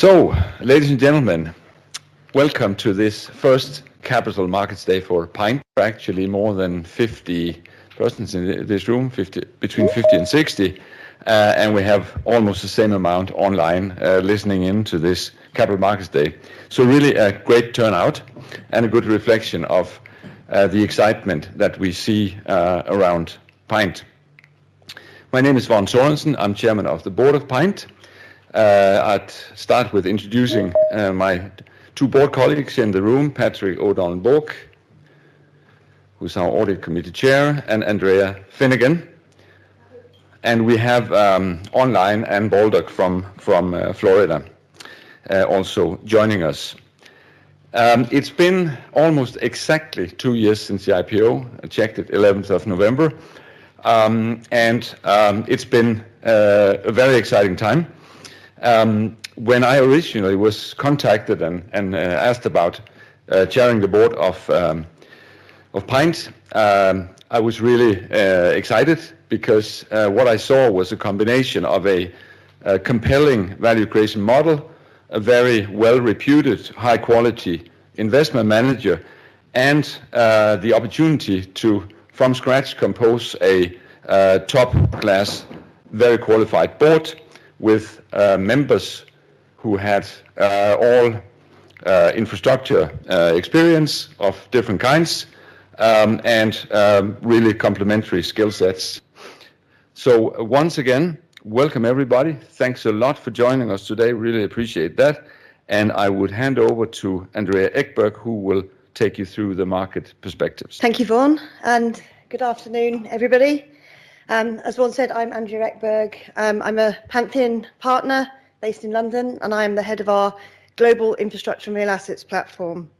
So, ladies and gentlemen, welcome to this first Capital Markets Day for PINT. We're actually more than 50 persons in this room, between 50 and 60, and we have almost the same amount online, listening in to this Capital Markets Day. So really, a great turnout and a good reflection of the excitement that we see around PINT. My name is Vagn Sørensen. I'm Chairman of the Board of PINT. I'd start with introducing my two board colleagues in the room, Patrick O'Donnell Bourke, who's our Audit Committee Chair, and Andrea Finegan. And we have online, Anne Baldock from Florida, also joining us. It's been almost exactly two years since the IPO, exactly the 11th of November. And it's been a very exciting time. When I originally was contacted and asked about chairing the board of PINT, I was really excited because what I saw was a combination of a compelling value creation model, a very well-reputed, high-quality investment manager, and the opportunity to, from scratch, compose a top-class, very qualified board with members who had all infrastructure experience of different kinds, and really complementary skill sets. Once again, welcome, everybody. Thanks a lot for joining us today. Really appreciate that, and I would hand over to Andrea Echberg, who will take you through the market perspectives. Thank you, Vagn, and good afternoon, everybody. As Vagn said, I'm Andrea Echberg. I'm a Pantheon partner based in London, and I am the head of our global infrastructure and real assets platform.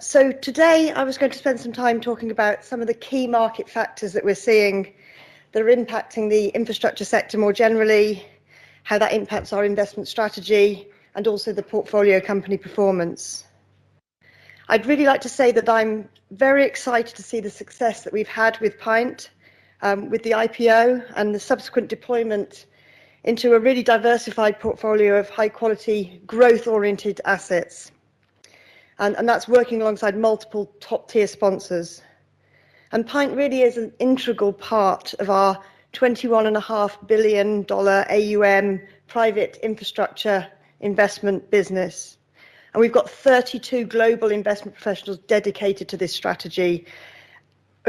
So today, I was going to spend some time talking about some of the key market factors that we're seeing that are impacting the infrastructure sector more generally, how that impacts our investment strategy, and also the portfolio company performance. I'd really like to say that I'm very excited to see the success that we've had with Pint, with the IPO and the subsequent deployment into a really diversified portfolio of high quality, growth-oriented assets. And that's working alongside multiple top-tier sponsors. Pint really is an integral part of our $21.5 billion AUM private infrastructure investment business, and we've got 32 global investment professionals dedicated to this strategy,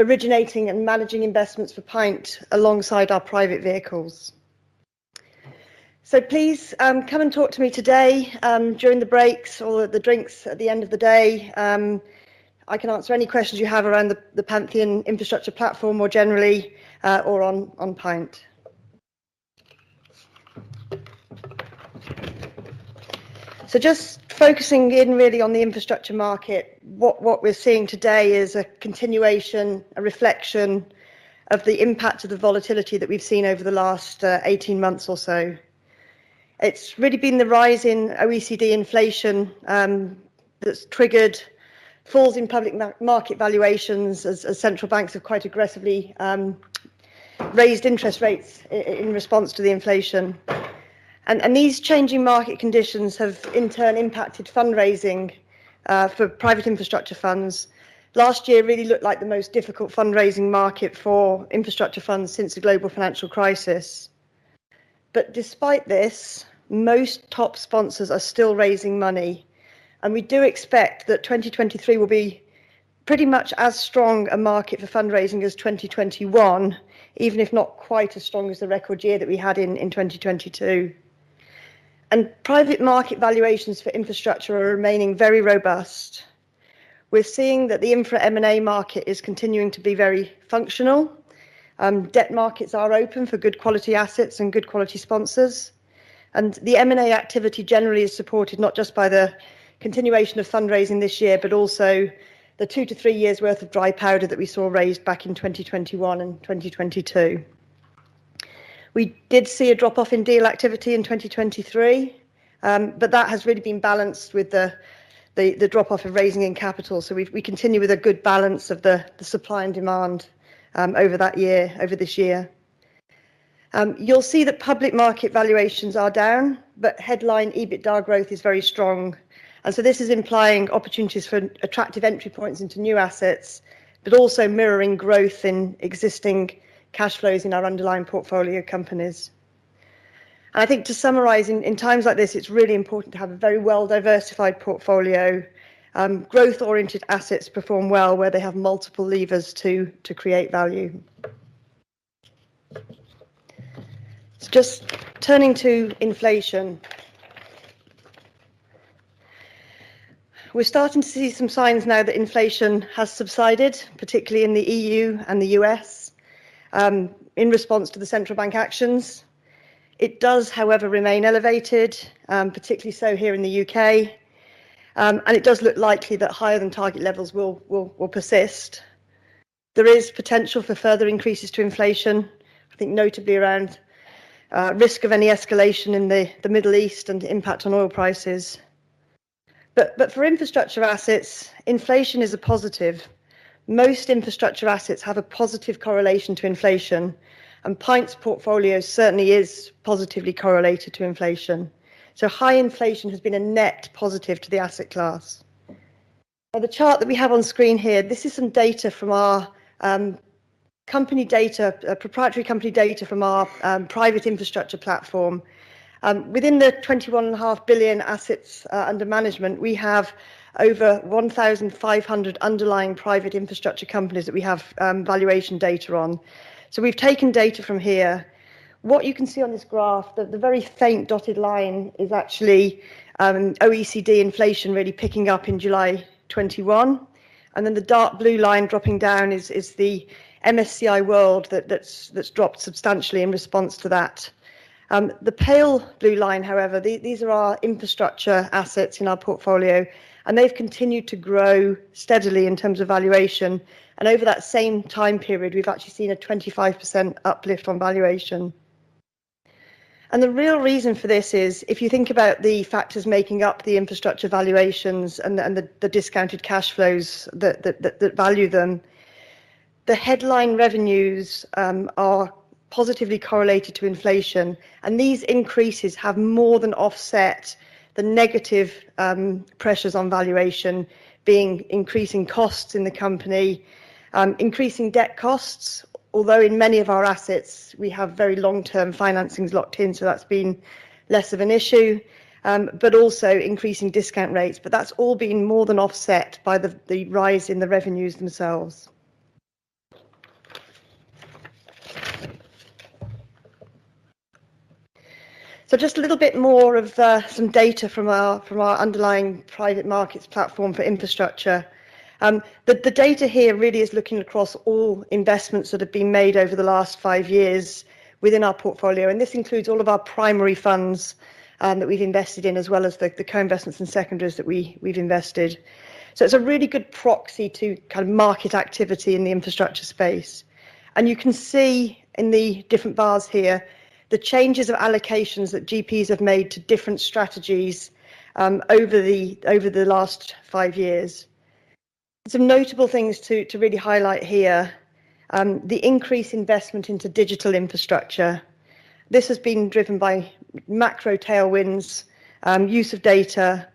originating and managing investments for Pint alongside our private vehicles. So please, come and talk to me today, during the breaks or at the drinks at the end of the day. I can answer any questions you have around the Pantheon infrastructure platform more generally, or on Pint. So just focusing in really on the infrastructure market, what we're seeing today is a continuation, a reflection of the impact of the volatility that we've seen over the last 18 months or so. It's really been the rise in OECD inflation that's triggered falls in public market valuations as central banks have quite aggressively raised interest rates in response to the inflation. These changing market conditions have in turn impacted fundraising for private infrastructure funds. Last year really looked like the most difficult fundraising market for infrastructure funds since the global financial crisis. But despite this, most top sponsors are still raising money, and we do expect that 2023 will be pretty much as strong a market for fundraising as 2021, even if not quite as strong as the record year that we had in 2022. Private market valuations for infrastructure are remaining very robust. We're seeing that the infra M&A market is continuing to be very functional. Debt markets are open for good quality assets and good quality sponsors. The M&A activity generally is supported not just by the continuation of fundraising this year, but also the two-three years' worth of dry powder that we saw raised back in 2021 and 2022. We did see a drop-off in deal activity in 2023, but that has really been balanced with the drop-off of raising in capital, so we've. We continue with a good balance of the supply and demand over that year, over this year. You'll see that public market valuations are down, but headline EBITDA growth is very strong, and so this is implying opportunities for attractive entry points into new assets, but also mirroring growth in existing cash flows in our underlying portfolio companies. And I think to summarize, in times like this, it's really important to have a very well-diversified portfolio. Growth-oriented assets perform well where they have multiple levers to create value. So just turning to inflation. We're starting to see some signs now that inflation has subsided, particularly in the E.U. and the U.S., in response to the central bank actions. It does, however, remain elevated, particularly so here in the U.K., and it does look likely that higher than target levels will persist. There is potential for further increases to inflation, I think notably around risk of any escalation in the Middle East and the impact on oil prices, but for infrastructure assets, inflation is a positive. Most infrastructure assets have a positive correlation to inflation, and PINT's portfolio certainly is positively correlated to inflation. So high inflation has been a net positive to the asset class. On the chart that we have on screen here, this is some data from our company data, proprietary company data from our private infrastructure platform. Within the 21.5 billion assets under management, we have over 1,500 underlying private infrastructure companies that we have valuation data on. So we've taken data from here. What you can see on this graph is that the very faint dotted line is actually OECD inflation really picking up in July 2021, and then the dark blue line dropping down is the MSCI World that's dropped substantially in response to that. The pale blue line, however, these are our infrastructure assets in our portfolio, and they've continued to grow steadily in terms of valuation, and over that same time period, we've actually seen a 25% uplift on valuation. The real reason for this is, if you think about the factors making up the infrastructure valuations and the discounted cash flows that value them, the headline revenues are positively correlated to inflation, and these increases have more than offset the negative pressures on valuation being increasing costs in the company, increasing debt costs, although in many of our assets, we have very long-term financings locked in, so that's been less of an issue, but also increasing discount rates. But that's all been more than offset by the rise in the revenues themselves. So just a little bit more of some data from our underlying private markets platform for infrastructure. But the data here really is looking across all investments that have been made over the last five years within our portfolio, and this includes all of our primary funds that we've invested in, as well as the co-investments and secondaries that we've invested. So it's a really good proxy to kind of market activity in the infrastructure space, and you can see in the different bars here, the changes of allocations that GPs have made to different strategies over the last five years. Some notable things to really highlight here, the increased investment into digital infrastructure. This has been driven by macro tailwinds, use of data,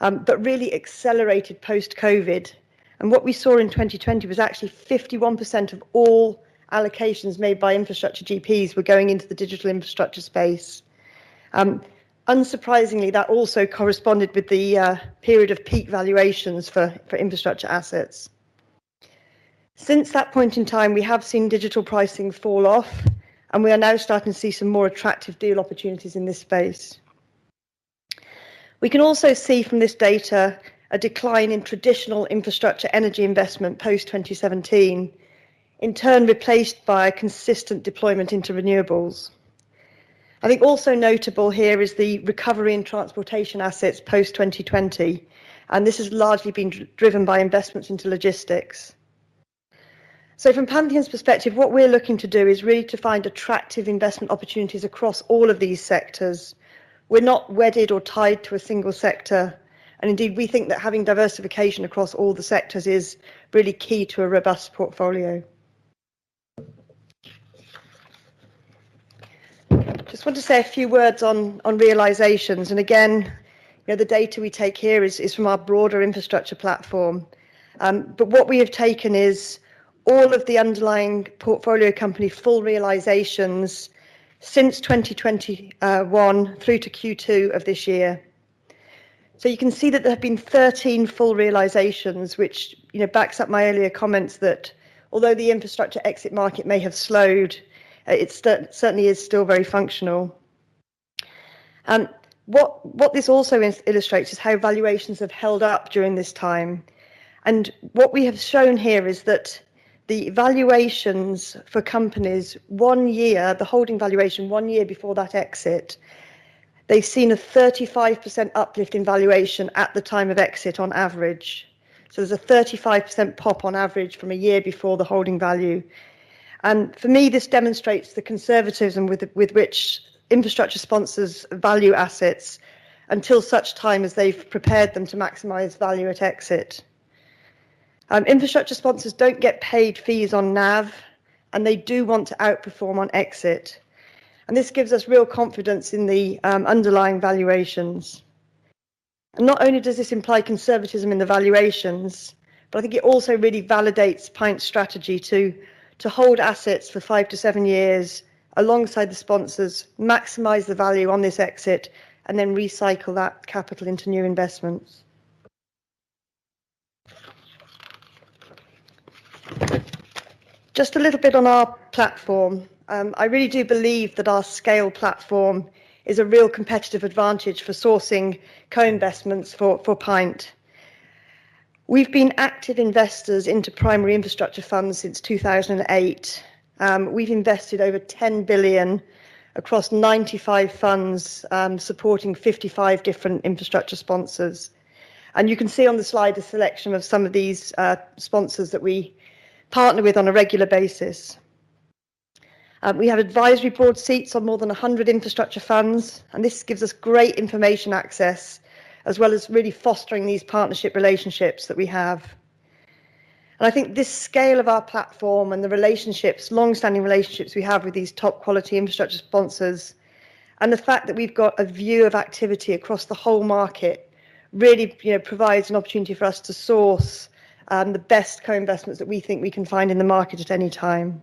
that really accelerated post-COVID. And what we saw in 2020 was actually 51% of all allocations made by infrastructure GPs were going into the digital infrastructure space. Unsurprisingly, that also corresponded with the period of peak valuations for infrastructure assets. Since that point in time, we have seen digital pricing fall off, and we are now starting to see some more attractive deal opportunities in this space. We can also see from this data a decline in traditional infrastructure energy investment post-2017, in turn replaced by a consistent deployment into renewables. I think also notable here is the recovery in transportation assets post-2020, and this has largely been driven by investments into logistics. So from Pantheon's perspective, what we're looking to do is really to find attractive investment opportunities across all of these sectors. We're not wedded or tied to a single sector, and indeed, we think that having diversification across all the sectors is really key to a robust portfolio. Just want to say a few words on realizations, and again, you know, the data we take here is from our broader infrastructure platform. But what we have taken is all of the underlying portfolio company full realizations since 2021 through to Q2 of this year. So you can see that there have been 13 full realizations, which, you know, backs up my earlier comments that although the infrastructure exit market may have slowed, it's still certainly is still very functional. What this also illustrates is how valuations have held up during this time. And what we have shown here is that the valuations for companies one year, the holding valuation one year before that exit, they've seen a 35% uplift in valuation at the time of exit, on average. So there's a 35% pop on average from a year before the holding value. And for me, this demonstrates the conservatism with, with which infrastructure sponsors value assets until such time as they've prepared them to maximize value at exit. Infrastructure sponsors don't get paid fees on NAV, and they do want to outperform on exit, and this gives us real confidence in the underlying valuations. And not only does this imply conservatism in the valuations, but I think it also really validates Pint's strategy to hold assets for five-seven years alongside the sponsors, maximize the value on this exit, and then recycle that capital into new investments. Just a little bit on our platform. I really do believe that our scale platform is a real competitive advantage for sourcing co-investments for Pint. We've been active investors into primary infrastructure funds since 2008. We've invested over 10 billion across 95 funds, supporting 55 different infrastructure sponsors. And you can see on the slide a selection of some of these, sponsors that we partner with on a regular basis. We have advisory board seats on more than 100 infrastructure funds, and this gives us great information access, as well as really fostering these partnership relationships that we have. And I think this scale of our platform and the relationships, long-standing relationships we have with these top quality infrastructure sponsors, and the fact that we've got a view of activity across the whole market, really, you know, provides an opportunity for us to source, the best co-investments that we think we can find in the market at any time.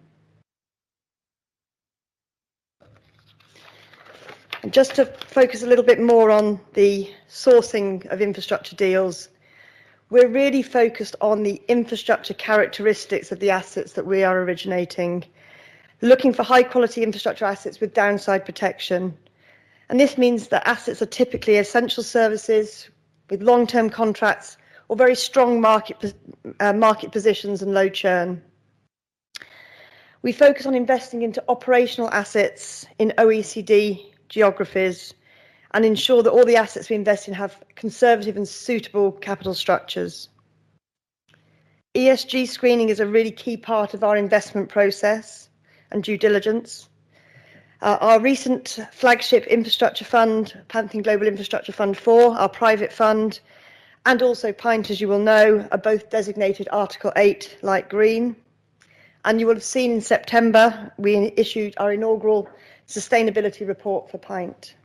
And just to focus a little bit more on the sourcing of infrastructure deals, we're really focused on the infrastructure characteristics of the assets that we are originating. We're looking for high quality infrastructure assets with downside protection, and this means that assets are typically essential services with long-term contracts or very strong market positions and low churn. We focus on investing into operational assets in OECD geographies, and ensure that all the assets we invest in have conservative and suitable capital structures. ESG screening is a really key part of our investment process and due diligence. Our recent flagship infrastructure fund, Pantheon Global Infrastructure Fund IV, our private fund, and also PINT, as you will know, are both designated Article 8 Light Green. And you will have seen in September, we issued our inaugural sustainability report for PINT.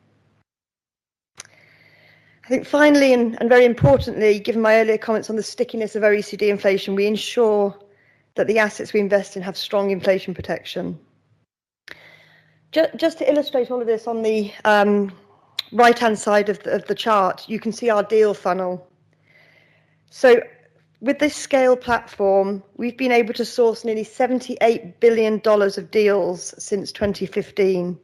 I think finally, and very importantly, given my earlier comments on the stickiness of OECD inflation, we ensure that the assets we invest in have strong inflation protection. Just to illustrate all of this, on the right-hand side of the chart, you can see our deal funnel. So with this scale platform, we've been able to source nearly $78 billion of deals since 2015.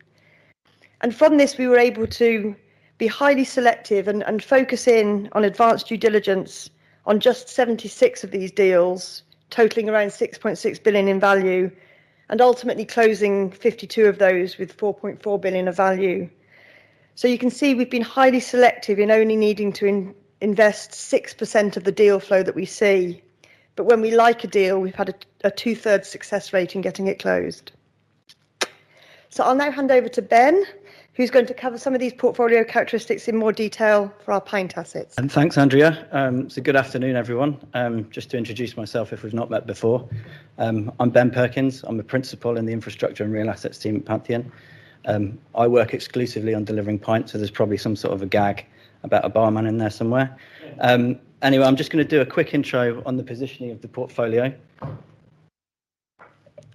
And from this, we were able to be highly selective and focus in on advanced due diligence on just 76 of these deals, totaling around $6.6 billion in value, and ultimately closing 52 of those with $4.4 billion of value. So you can see, we've been highly selective in only needing to invest 6% of the deal flow that we see. But when we like a deal, we've had a two-thirds success rate in getting it closed. So I'll now hand over to Ben, who's going to cover some of these portfolio characteristics in more detail for our PINT assets. Thanks, Andrea. Good afternoon, everyone. Just to introduce myself, if we've not met before, I'm Ben Perkins. I'm a Principal in the Infrastructure and Real Assets team at Pantheon. I work exclusively on delivering PINT, so there's probably some sort of a gag about a barman in there somewhere. Anyway, I'm just gonna do a quick intro on the positioning of the portfolio.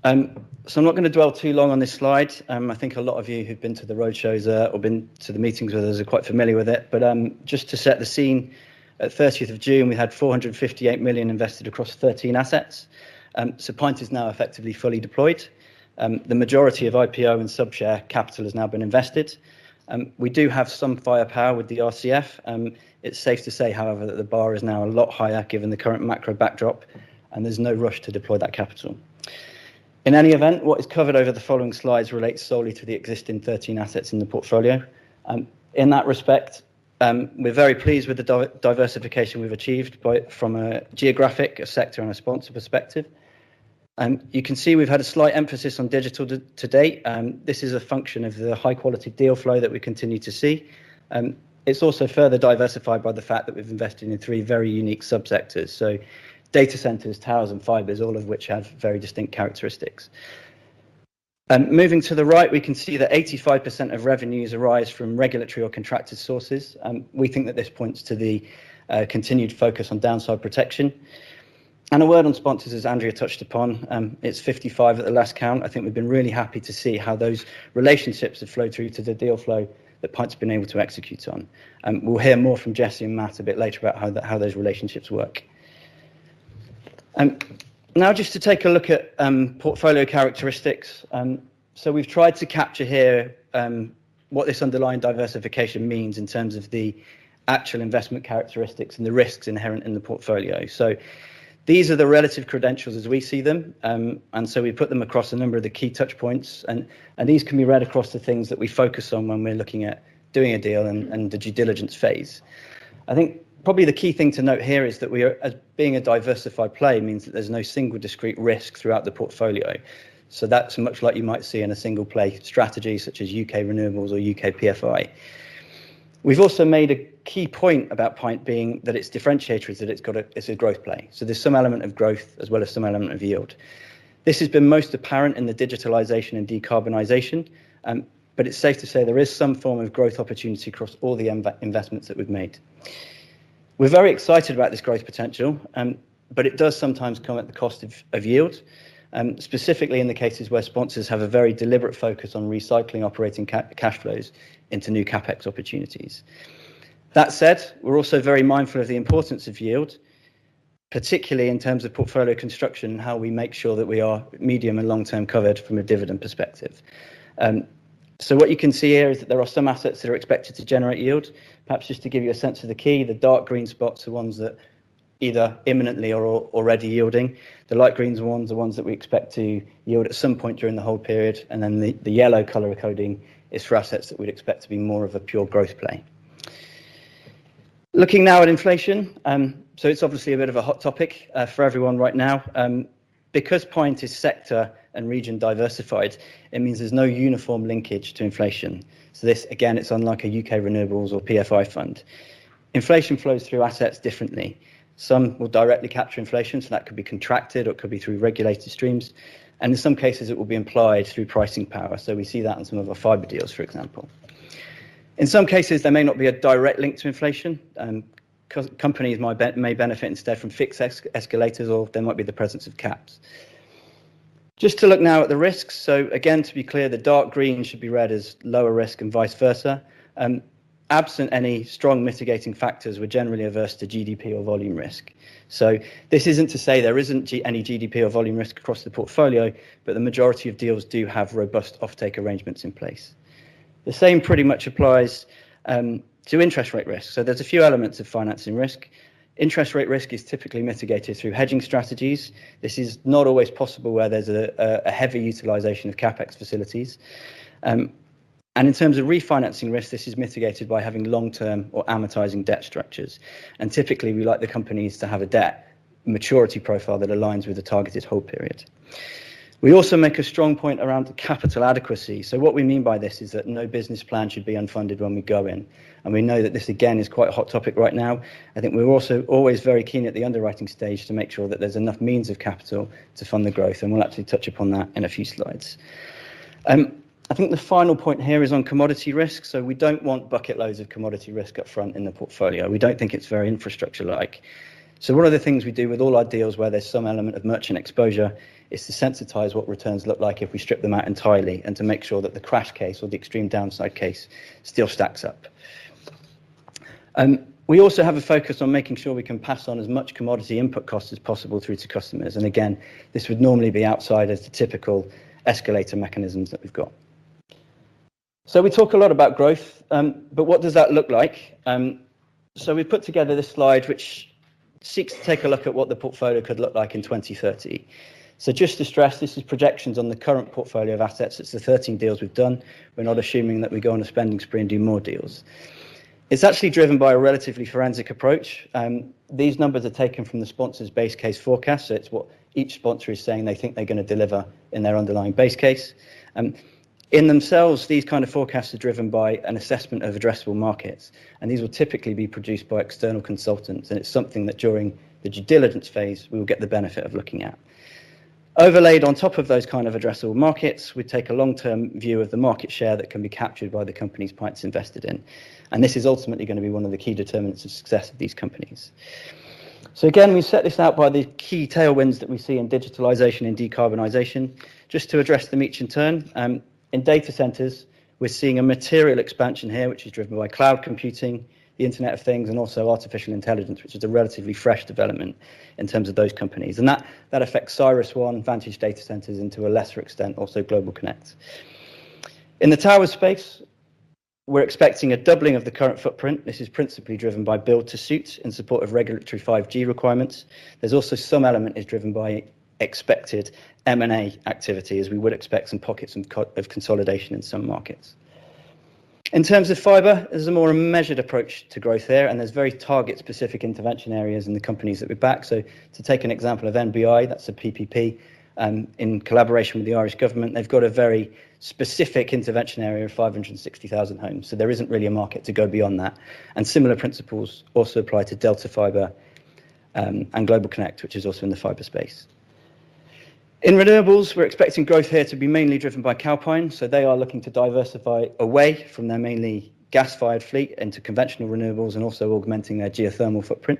So I'm not gonna dwell too long on this slide. I think a lot of you who've been to the roadshows or been to the meetings with us are quite familiar with it. But just to set the scene, at 30th of June, we had 458 million invested across 13 assets. So PINT is now effectively fully deployed. The majority of IPO and sub-share capital has now been invested. We do have some firepower with the RCF. It's safe to say, however, that the bar is now a lot higher given the current macro backdrop, and there's no rush to deploy that capital. In any event, what is covered over the following slides relates solely to the existing 13 assets in the portfolio. In that respect, we're very pleased with the diversification we've achieved from a geographic, a sector, and a sponsor perspective. You can see we've had a slight emphasis on digital to date. This is a function of the high quality deal flow that we continue to see. It's also further diversified by the fact that we've invested in three very unique subsectors. So data centers, towers, and fibers, all of which have very distinct characteristics. Moving to the right, we can see that 85% of revenues arise from regulatory or contracted sources, and we think that this points to the continued focus on downside protection. A word on sponsors, as Andrea touched upon, it's 55 at the last count. I think we've been really happy to see how those relationships have flowed through to the deal flow that Pint's been able to execute on. We'll hear more from Jesse and Matt a bit later about how those relationships work. Now just to take a look at portfolio characteristics. So we've tried to capture here what this underlying diversification means in terms of the actual investment characteristics and the risks inherent in the portfolio. So these are the relative credentials as we see them. And so we put them across a number of the key touch points, and these can be read across the things that we focus on when we're looking at doing a deal and the due diligence phase. I think probably the key thing to note here is that we are as being a diversified play means that there's no single discrete risk throughout the portfolio. So that's much like you might see in a single play strategy, such as U.K. renewables or U.K. PFI. We've also made a key point about Pint being that its differentiator is that it's got a, it's a growth play. So there's some element of growth as well as some element of yield. This has been most apparent in the digitalization and decarbonization, but it's safe to say there is some form of growth opportunity across all the investments that we've made. We're very excited about this growth potential, but it does sometimes come at the cost of, of yield, specifically in the cases where sponsors have a very deliberate focus on recycling operating cash flows into new CapEx opportunities. That said, we're also very mindful of the importance of yield, particularly in terms of portfolio construction and how we make sure that we are medium and long-term covered from a dividend perspective. So what you can see here is that there are some assets that are expected to generate yield. Perhaps just to give you a sense of the key, the dark green spots are ones that either imminently or already yielding. The light green ones are ones that we expect to yield at some point during the whole period, and then the yellow color coding is for assets that we'd expect to be more of a pure growth play. Looking now at inflation, so it's obviously a bit of a hot topic for everyone right now. Because PINT is sector and region diversified, it means there's no uniform linkage to inflation. So this, again, it's unlike a U.K. renewables or PFI fund. Inflation flows through assets differently. Some will directly capture inflation, so that could be contracted or it could be through regulated streams, and in some cases, it will be implied through pricing power. So we see that in some of our fiber deals, for example. In some cases, there may not be a direct link to inflation, and companies may benefit instead from fixed escalators or there might be the presence of caps. Just to look now at the risks. So again, to be clear, the dark green should be read as lower risk and vice versa. Absent any strong mitigating factors, we're generally averse to GDP or volume risk. So this isn't to say there isn't any GDP or volume risk across the portfolio, but the majority of deals do have robust offtake arrangements in place. The same pretty much applies to interest rate risk. So there's a few elements of financing risk. Interest rate risk is typically mitigated through hedging strategies. This is not always possible where there's a heavy utilization of CapEx facilities. And in terms of refinancing risk, this is mitigated by having long-term or amortizing debt structures, and typically, we like the companies to have a debt maturity profile that aligns with the targeted hold period. We also make a strong point around capital adequacy. So what we mean by this is that no business plan should be unfunded when we go in, and we know that this, again, is quite a hot topic right now. I think we're also always very keen at the underwriting stage to make sure that there's enough means of capital to fund the growth, and we'll actually touch upon that in a few slides. I think the final point here is on commodity risk. So we don't want bucket loads of commodity risk up front in the portfolio. We don't think it's very infrastructure-like. So one of the things we do with all our deals where there's some element of merchant exposure, is to sensitise what returns look like if we strip them out entirely, and to make sure that the crash case or the extreme downside case still stacks up. We also have a focus on making sure we can pass on as much commodity input cost as possible through to customers, and again, this would normally be outside as the typical escalator mechanisms that we've got. So we talk a lot about growth, but what does that look like? So we've put together this slide, which seeks to take a look at what the portfolio could look like in 2030. So just to stress, this is projections on the current portfolio of assets. It's the 13 deals we've done. We're not assuming that we go on a spending spree and do more deals. It's actually driven by a relatively forensic approach. These numbers are taken from the sponsor's base case forecast. So it's what each sponsor is saying they think they're gonna deliver in their underlying base case. In themselves, these kind of forecasts are driven by an assessment of addressable markets, and these will typically be produced by external consultants, and it's something that, during the due diligence phase, we will get the benefit of looking at. Overlaid on top of those kind of addressable markets, we take a long-term view of the market share that can be captured by the companies Pantheon's invested in, and this is ultimately gonna be one of the key determinants of success of these companies. So again, we set this out by the key tailwinds that we see in digitalization and decarbonization. Just to address them each in turn, in data centers, we're seeing a material expansion here, which is driven by cloud computing, the Internet of Things, and also artificial intelligence, which is a relatively fresh development in terms of those companies. And that, that affects CyrusOne, Vantage Data Centers, and to a lesser extent, also GlobalConnect. In the tower space, we're expecting a doubling of the current footprint. This is principally driven by build-to-suit in support of regulatory 5G requirements. There's also some element is driven by expected M&A activity, as we would expect some pockets of consolidation in some markets. In terms of fiber, there's a more measured approach to growth there, and there's very target-specific intervention areas in the companies that we back. To take an example of NBI, that's a PPP in collaboration with the Irish government. They've got a very specific intervention area of 560,000 homes, so there isn't really a market to go beyond that, and similar principles also apply to Delta Fiber and GlobalConnect, which is also in the fiber space. In renewables, we're expecting growth here to be mainly driven by Calpine, so they are looking to diversify away from their mainly gas-fired fleet into conventional renewables and also augmenting their geothermal footprint.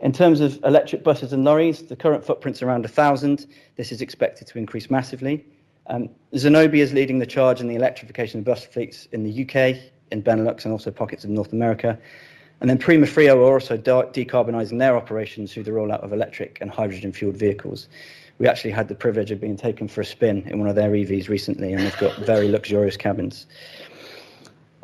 In terms of electric buses and lorries, the current footprint's around 1,000. This is expected to increase massively. Zenobē is leading the charge in the electrification of bus fleets in the UK, in Benelux, and also pockets of North America. And then Primafrio are also decarbonizing their operations through the rollout of electric and hydrogen-fueled vehicles. We actually had the privilege of being taken for a spin in one of their EVs recently, and they've got very luxurious cabins.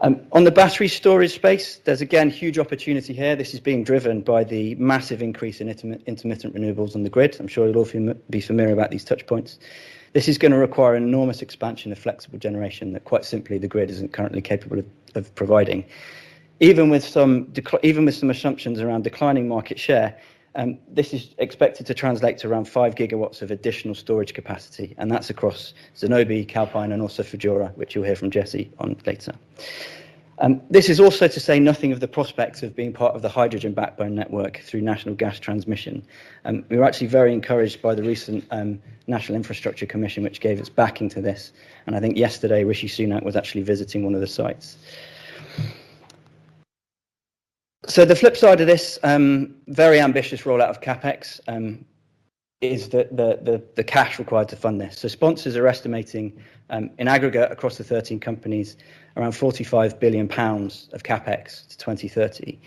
On the battery storage space, there's again huge opportunity here. This is being driven by the massive increase in intermittent renewables on the grid. I'm sure you'll all be familiar about these touch points. This is gonna require an enormous expansion of flexible generation that, quite simply, the grid isn't currently capable of providing. Even with some assumptions around declining market share, this is expected to translate to around 5 gigawatts of additional storage capacity, and that's across Zenobē, Calpine, and also Fudura, which you'll hear from Jesse on later. This is also to say nothing of the prospects of being part of the hydrogen backbone network through National Gas Transmission. We're actually very encouraged by the recent National Infrastructure Commission, which gave its backing to this, and I think yesterday, Rishi Sunak was actually visiting one of the sites. So the flip side of this very ambitious rollout of CapEx is the cash required to fund this. So sponsors are estimating, in aggregate across the 13 companies, around 45 billion pounds of CapEx to 2030.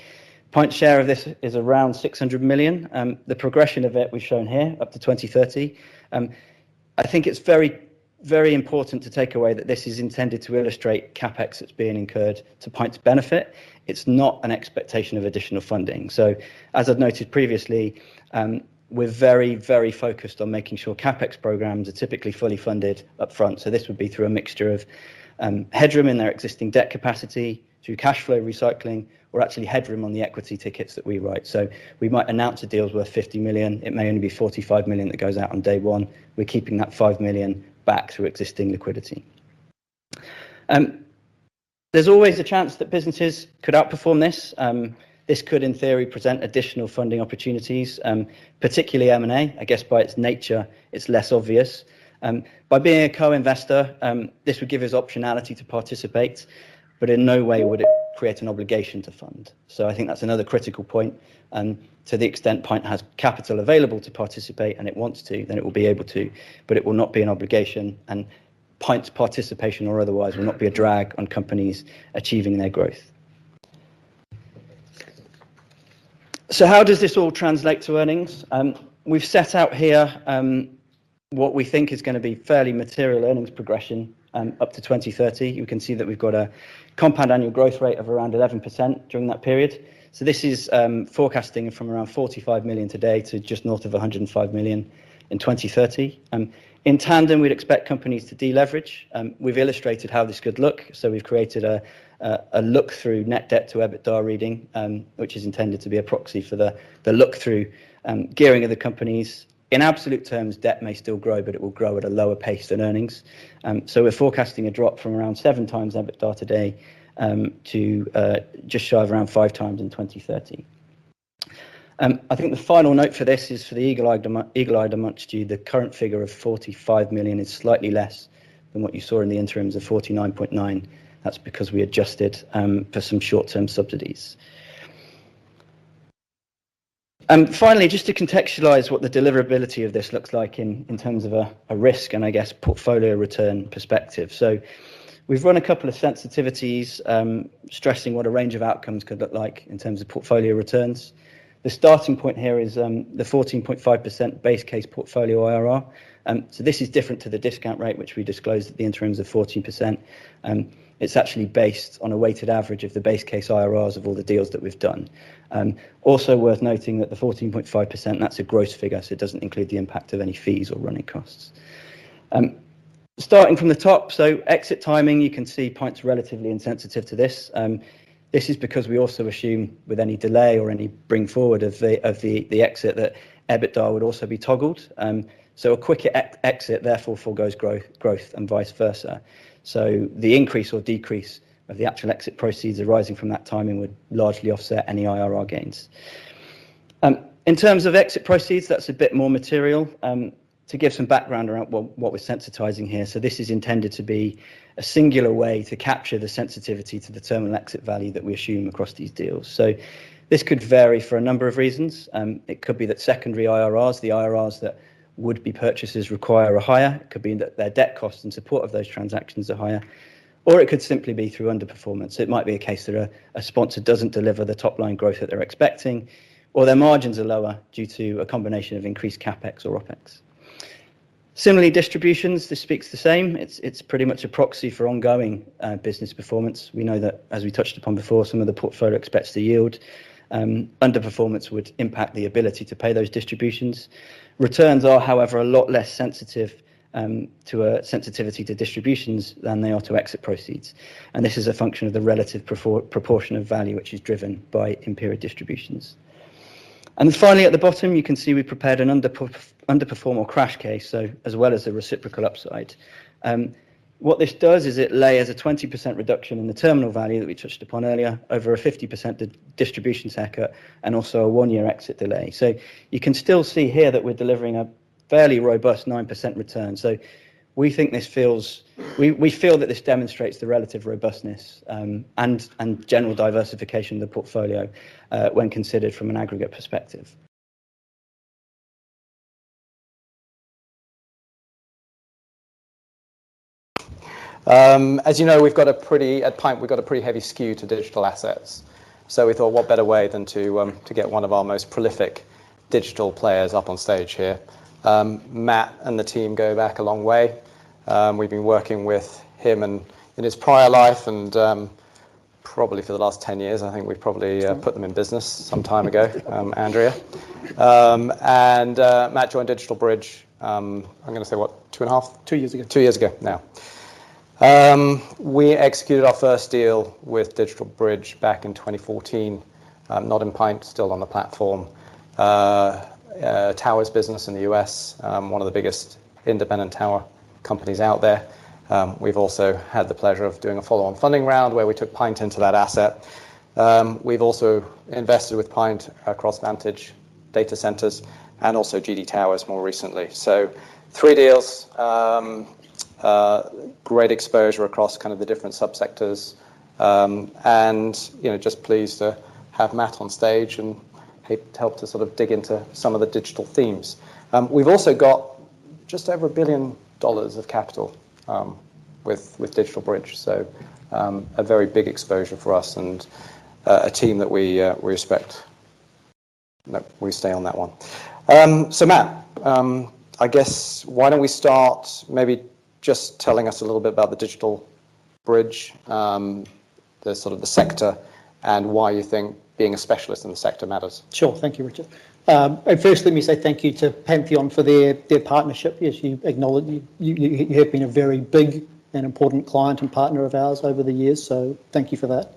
PINT's share of this is around 600 million, the progression of it we've shown here, up to 2030. I think it's very, very important to take away that this is intended to illustrate CapEx that's being incurred to PINT's benefit. It's not an expectation of additional funding. As I've noted previously, we're very, very focused on making sure CapEx programs are typically fully funded upfront. This would be through a mixture of headroom in their existing debt capacity, through cash flow recycling, or actually headroom on the equity tickets that we write. We might announce a deal worth 50 million. It may only be 45 million that goes out on day one. We're keeping that 5 million back through existing liquidity. There's always a chance that businesses could outperform this. This could, in theory, present additional funding opportunities, particularly M&A. I guess, by its nature, it's less obvious. By being a co-investor, this would give us optionality to participate, but in no way would it create an obligation to fund. So I think that's another critical point, and to the extent Pint has capital available to participate and it wants to, then it will be able to, but it will not be an obligation, and Pint's participation or otherwise, will not be a drag on companies achieving their growth. So how does this all translate to earnings? We've set out here, what we think is gonna be fairly material earnings progression, up to 2030. You can see that we've got a compound annual growth rate of around 11% during that period. So this is, forecasting from around 45 million today to just north of 105 million in 2030. In tandem, we'd expect companies to deleverage. We've illustrated how this could look. So we've created a look-through net debt to EBITDA reading, which is intended to be a proxy for the look-through gearing of the companies. In absolute terms, debt may still grow, but it will grow at a lower pace than earnings. So we're forecasting a drop from around 7x EBITDA today to just shy of around 5x in 2030. I think the final note for this is for the eagle-eyed among you, the current figure of 45 million is slightly less than what you saw in the interims of 49.9 million. That's because we adjusted for some short-term subsidies. Finally, just to contextualize what the deliverability of this looks like in terms of a risk and I guess portfolio return perspective. So we've run a couple of sensitivities, stressing what a range of outcomes could look like in terms of portfolio returns. The starting point here is the 14.5% base case portfolio IRR. So this is different to the discount rate, which we disclosed at the interims of 14%. It's actually based on a weighted average of the base case IRRs of all the deals that we've done. Also worth noting that the 14.5%, that's a gross figure, so it doesn't include the impact of any fees or running costs. Starting from the top, so exit timing, you can see PINT's relatively insensitive to this. This is because we also assume with any delay or any bring forward of the exit, that EBITDA would also be toggled. So a quicker exit, therefore, foregoes growth and vice versa. So the increase or decrease of the actual exit proceeds arising from that timing would largely offset any IRR gains. In terms of exit proceeds, that's a bit more material. To give some background around what we're sensitizing here, so this is intended to be a singular way to capture the sensitivity to the terminal exit value that we assume across these deals. So this could vary for a number of reasons. It could be that secondary IRRs, the IRRs that would-be purchasers require are higher. It could be that their debt costs in support of those transactions are higher, or it could simply be through underperformance. It might be a case that a sponsor doesn't deliver the top-line growth that they're expecting, or their margins are lower due to a combination of increased CapEx or OpEx. Similarly, distributions, this speaks the same. It's pretty much a proxy for ongoing business performance. We know that, as we touched upon before, some of the portfolio expects to yield underperformance would impact the ability to pay those distributions. Returns are, however, a lot less sensitive to a sensitivity to distributions than they are to exit proceeds, and this is a function of the relative proportion of value, which is driven by in-period distributions. Finally, at the bottom, you can see we prepared an underperform or crash case, so as well as a reciprocal upside. What this does is it layers a 20% reduction in the terminal value that we touched upon earlier over a 50% distributions haircut and also a one-year exit delay. So you can still see here that we're delivering a fairly robust 9% return. So we think this feels. We feel that this demonstrates the relative robustness and general diversification of the portfolio when considered from an aggregate perspective. As you know, we've got a pretty heavy skew to digital assets at PINT. So we thought, what better way than to get one of our most prolific digital players up on stage here? Matt and the team go back a long way. We've been working with him and in his prior life and probably for the last 10 years. I think we've probably put them in business some time ago, Andrea. And Matt joined DigitalBridge, I'm gonna say, what two and half? Two years ago. Two years ago now. We executed our first deal with DigitalBridge back in 2014, not in Pint, still on the platform. Towers business in the U.S., one of the biggest independent tower companies out there. We've also had the pleasure of doing a follow-on funding round, where we took Pint into that asset. We've also invested with Pint across Vantage Data Centers and also GD Towers more recently. So three deals, great exposure across kind of the different subsectors, and, you know, just pleased to have Matt on stage, and he'd help to sort of dig into some of the digital themes. We've also got just over $1 billion of capital with DigitalBridge, so a very big exposure for us and a team that we respect.... No, we stay on that one. So Matt, I guess why don't we start maybe just telling us a little bit about the DigitalBridge, the sort of the sector, and why you think being a specialist in the sector matters? Sure. Thank you, Richard. Firstly, let me say thank you to Pantheon for their partnership. Yes, you acknowledge you have been a very big and important client and partner of ours over the years, so thank you for that.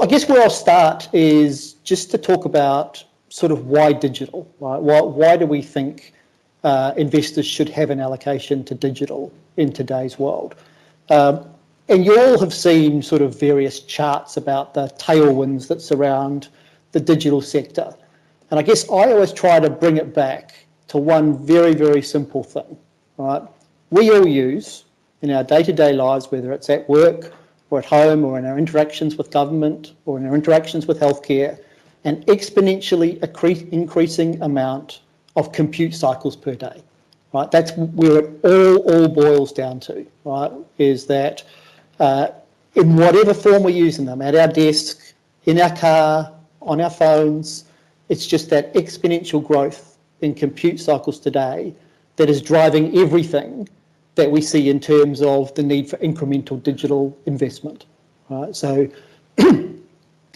I guess where I'll start is just to talk about sort of why digital, right? Why do we think investors should have an allocation to digital in today's world? You all have seen sort of various charts about the tailwinds that surround the digital sector, and I guess I always try to bring it back to one very, very simple thing. All right. We all use in our day-to-day lives, whether it's at work or at home, or in our interactions with government, or in our interactions with healthcare, an exponentially increasing amount of compute cycles per day, right? That's where it all boils down to, right? That is, in whatever form we're using them, at our desk, in our car, on our phones, it's just that exponential growth in compute cycles today that is driving everything that we see in terms of the need for incremental digital investment. Right? So,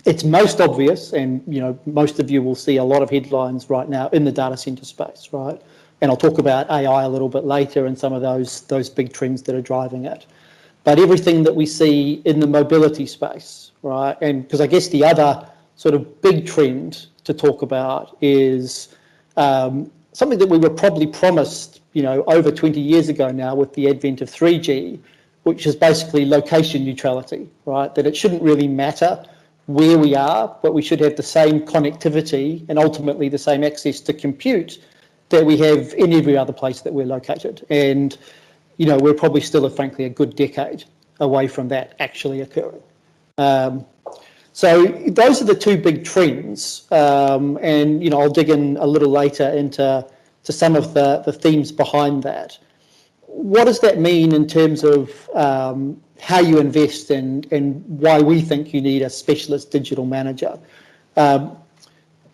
it's most obvious, and, you know, most of you will see a lot of headlines right now in the data center space, right? And I'll talk about AI a little bit later and some of those big trends that are driving it. But everything that we see in the mobility space, right? 'Cause I guess the other sort of big trend to talk about is something that we were probably promised, you know, over 20 years ago now with the advent of 3G, which is basically location neutrality, right? That it shouldn't really matter where we are, but we should have the same connectivity and ultimately the same access to compute that we have in every other place that we're located. And, you know, we're probably still, frankly, a good decade away from that actually occurring. So those are the two big trends. And, you know, I'll dig in a little later into some of the themes behind that. What does that mean in terms of how you invest and why we think you need a specialist digital manager?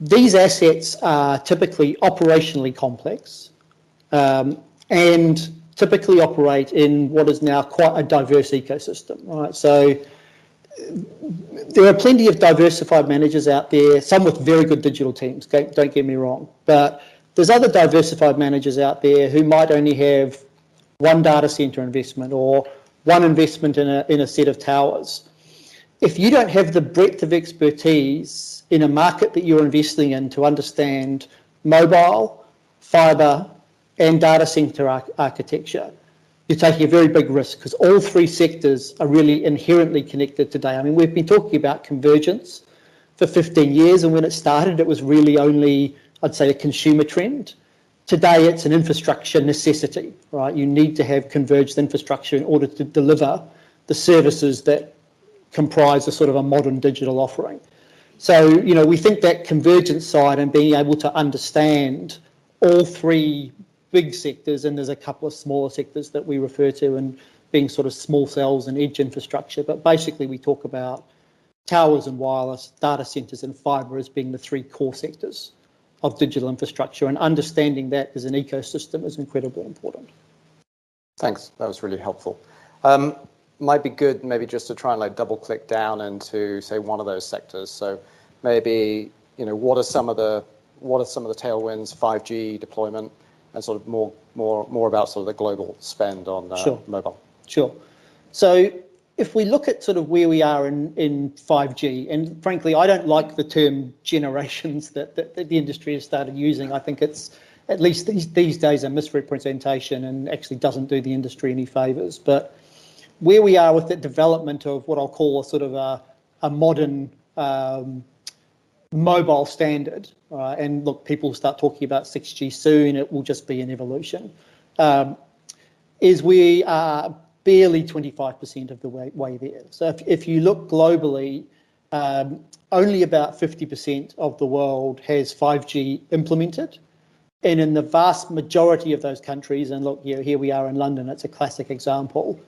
These assets are typically operationally complex, and typically operate in what is now quite a diverse ecosystem, right? So there are plenty of diversified managers out there, some with very good digital teams. Don't get me wrong. But there's other diversified managers out there who might only have one data center investment or one investment in a set of towers. If you don't have the breadth of expertise in a market that you're investing in to understand mobile, fiber, and data center architecture, you're taking a very big risk, 'cause all three sectors are really inherently connected today. I mean, we've been talking about convergence for 15 years, and when it started, it was really only, I'd say, a consumer trend. Today, it's an infrastructure necessity, right? You need to have converged infrastructure in order to deliver the services that comprise a sort of a modern digital offering. So, you know, we think that convergence side and being able to understand all three big sectors, and there's a couple of smaller sectors that we refer to and being sort of small cells and edge infrastructure. But basically, we talk about towers and wireless, data centers and fiber as being the three core sectors of digital infrastructure, and understanding that as an ecosystem is incredibly important. Thanks. That was really helpful. Might be good maybe just to try and, like, double-click down into, say, one of those sectors. So maybe, you know, what are some of the... What are some of the tailwinds, 5G deployment and sort of more about sort of the global spend on. Sure... mobile? Sure. So if we look at sort of where we are in 5G, and frankly, I don't like the term generations that the industry has started using. I think it's, at least these days, a misrepresentation and actually doesn't do the industry any favors. But where we are with the development of what I'll call a sort of a modern mobile standard, and look, people will start talking about 6G soon, it will just be an evolution, is we are barely 25% of the way there. So if you look globally, only about 50% of the world has 5G implemented, and in the vast majority of those countries, and look, you know, here we are in London, it's a classic example,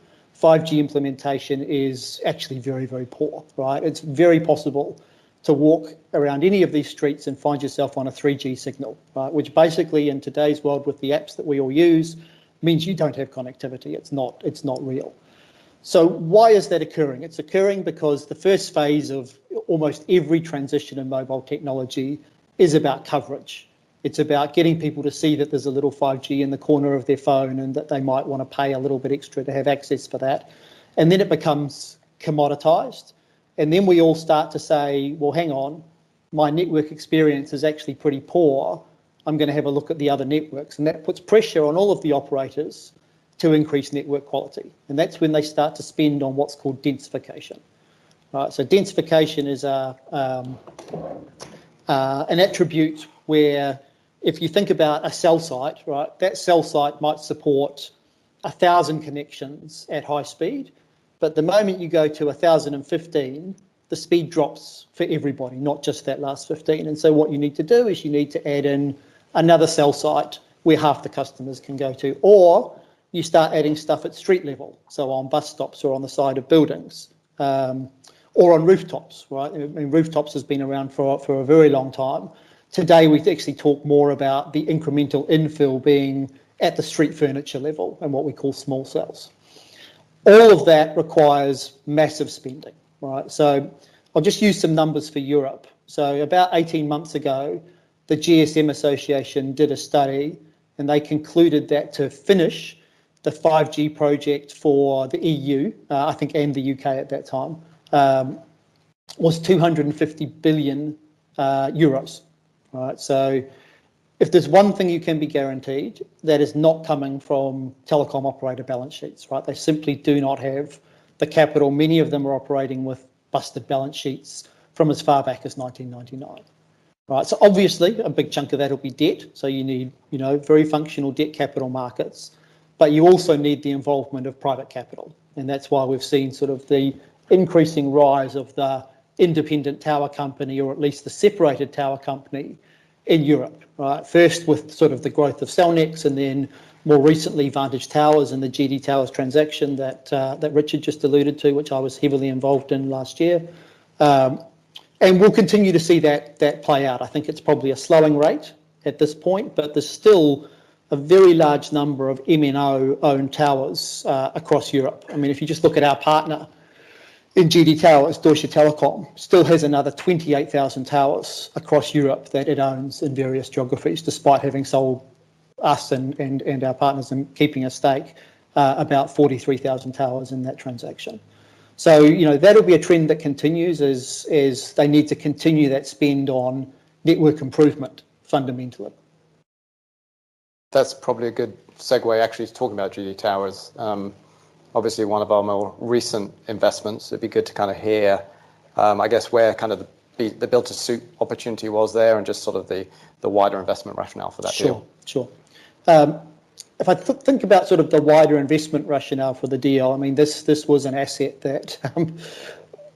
5G implementation is actually very, very poor, right? It's very possible to walk around any of these streets and find yourself on a 3G signal, right? Which basically, in today's world, with the apps that we all use, means you don't have connectivity. It's not, it's not real. So why is that occurring? It's occurring because the first phase of almost every transition in mobile technology is about coverage. It's about getting people to see that there's a little 5G in the corner of their phone, and that they might want to pay a little bit extra to have access for that. And then it becomes commoditized, and then we all start to say, "Well, hang on, my network experience is actually pretty poor. I'm going to have a look at the other networks." And that puts pressure on all of the operators to increase network quality, and that's when they start to spend on what's called densification. Right, so densification is an attribute where if you think about a cell site, right, that cell site might support 1,000 connections at high speed, but the moment you go to 1,015, the speed drops for everybody, not just that last 15. And so what you need to do is you need to add in another cell site where half the customers can go to, or you start adding stuff at street level, so on bus stops or on the side of buildings, or on rooftops, right? I mean, rooftops has been around for a very long time. Today, we actually talk more about the incremental infill being at the street furniture level and what we call small cells. All of that requires massive spending, right? So I'll just use some numbers for Europe. So about 18 months ago, the GSM Association did a study, and they concluded that to finish the 5G project for the EU, I think, and the UK at that time, was 250 billion euros. Right? So if there's one thing you can be guaranteed, that is not coming from telecom operator balance sheets, right? They simply do not have the capital. Many of them are operating with busted balance sheets from as far back as 1999, right? So obviously, a big chunk of that will be debt, so you need, you know, very functional debt capital markets, but you also need the involvement of private capital, and that's why we've seen sort of the increasing rise of the independent tower company, or at least the separated tower company in Europe, right? First, with sort of the growth of Cellnex, and then more recently, Vantage Towers and the GD Towers transaction that that Richard just alluded to, which I was heavily involved in last year. And we'll continue to see that play out. I think it's probably a slowing rate at this point, but there's still a very large number of MNO-owned towers across Europe. I mean, if you just look at our partner in GD Towers, Deutsche Telekom, still has another 28,000 towers across Europe that it owns in various geographies, despite having sold us and our partners and keeping a stake about 43,000 towers in that transaction. So, you know, that'll be a trend that continues as they need to continue that spend on network improvement, fundamentally. That's probably a good segue actually to talk about GD Towers. Obviously one of our more recent investments. It'd be good to kinda hear, I guess, where kind of the build-to-suit opportunity was there and just sort of the wider investment rationale for that deal. Sure. Sure. If I think about sort of the wider investment rationale for the deal, I mean, this was an asset that,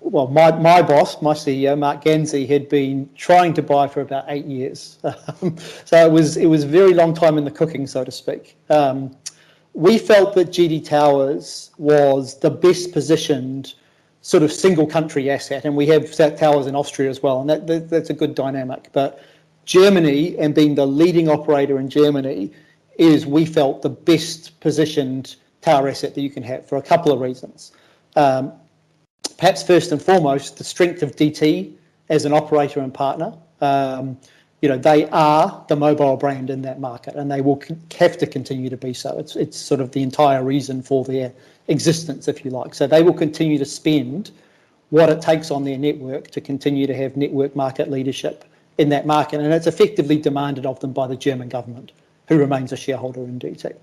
well, my boss, my CEO, Marc Ganzi, had been trying to buy for about eight years. So it was a very long time in the cooking, so to speak. We felt that GD Towers was the best-positioned, sort of, single country asset, and we have set towers in Austria as well, and that's a good dynamic. But Germany, and being the leading operator in Germany, is we felt the best-positioned tower asset that you can have for a couple of reasons. Perhaps first and foremost, the strength of DT as an operator and partner. You know, they are the mobile brand in that market, and they will have to continue to be so. It's, it's sort of the entire reason for their existence, if you like. So they will continue to spend what it takes on their network to continue to have network market leadership in that market, and it's effectively demanded of them by the German government, who remains a shareholder in DT.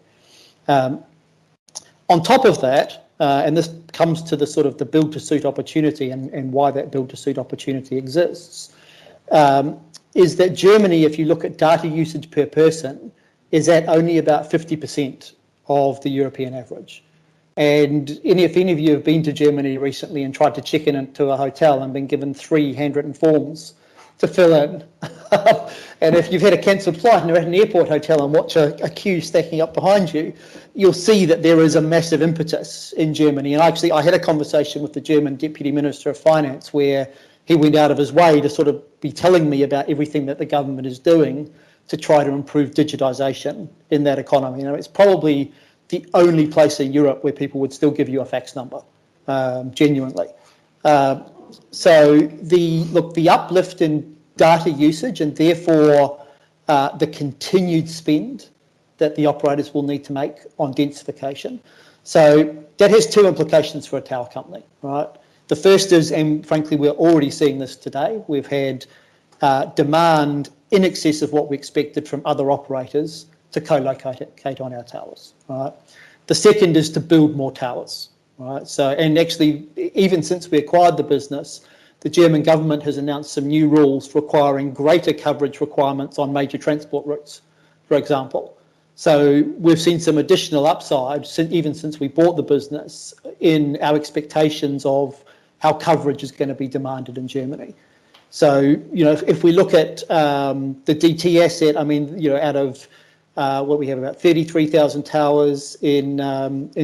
On top of that, and this comes to the sort of build-to-suit opportunity and why that build-to-suit opportunity exists, is that Germany, if you look at data usage per person, is at only about 50% of the European average. If any of you have been to Germany recently and tried to check into a hotel and been given three handwritten forms to fill out, and if you've had a cancelled flight and you're at an airport hotel and watch a queue stacking up behind you, you'll see that there is a massive impetus in Germany. And actually, I had a conversation with the German Deputy Minister of Finance, where he went out of his way to sort of be telling me about everything that the government is doing to try to improve digitization in that economy. You know, it's probably the only place in Europe where people would still give you a fax number, genuinely. Look, the uplift in data usage, and therefore, the continued spend that the operators will need to make on densification. So that has two implications for a tower company, right? The first is, and frankly, we're already seeing this today, we've had demand in excess of what we expected from other operators to co-locate, locate on our towers, right? The second is to build more towers, right? So, and actually, even since we acquired the business, the German government has announced some new rules requiring greater coverage requirements on major transport routes, for example. So we've seen some additional upside, even since we bought the business, in our expectations of how coverage is gonna be demanded in Germany. So, you know, if we look at the DT asset, I mean, you know, out of what we have about 33,000 towers in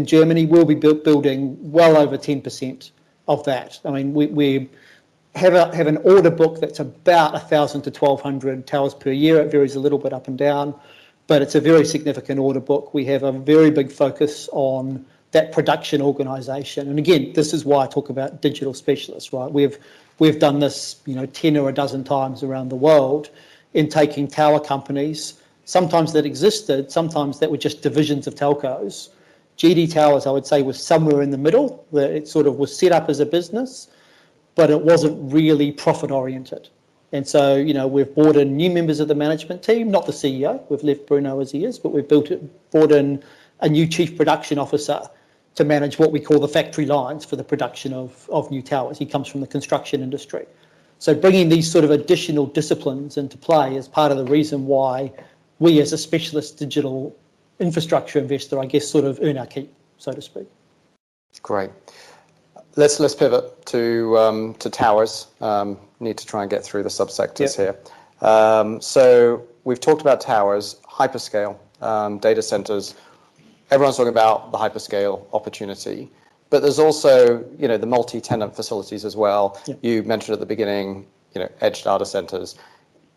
Germany, we'll be building well over 10% of that. I mean, we have an order book that's about 1,000-1,200 towers per year. It varies a little bit up and down, but it's a very significant order book. We have a very big focus on that production organization. And again, this is why I talk about digital specialists, right? We've done this, you know, 10 or 12 times around the world in taking tower companies, sometimes that existed, sometimes that were just divisions of telcos. GD Towers, I would say, was somewhere in the middle, where it sort of was set up as a business, but it wasn't really profit-oriented. And so, you know, we've brought in new members of the management team, not the CEO. We've left Bruno as he is, but we've brought in a new chief production officer to manage what we call the factory lines for the production of new towers. He comes from the construction industry. So bringing these sort of additional disciplines into play is part of the reason why we, as a specialist digital infrastructure investor, I guess, sort of earn our keep, so to speak.... Great. Let's pivot to towers. Need to try and get through the subsectors here. Yep. We've talked about towers, hyperscale, data centers. Everyone's talking about the hyperscale opportunity, but there's also, you know, the multi-tenant facilities as well. Yep. You mentioned at the beginning, you know, edge data centers.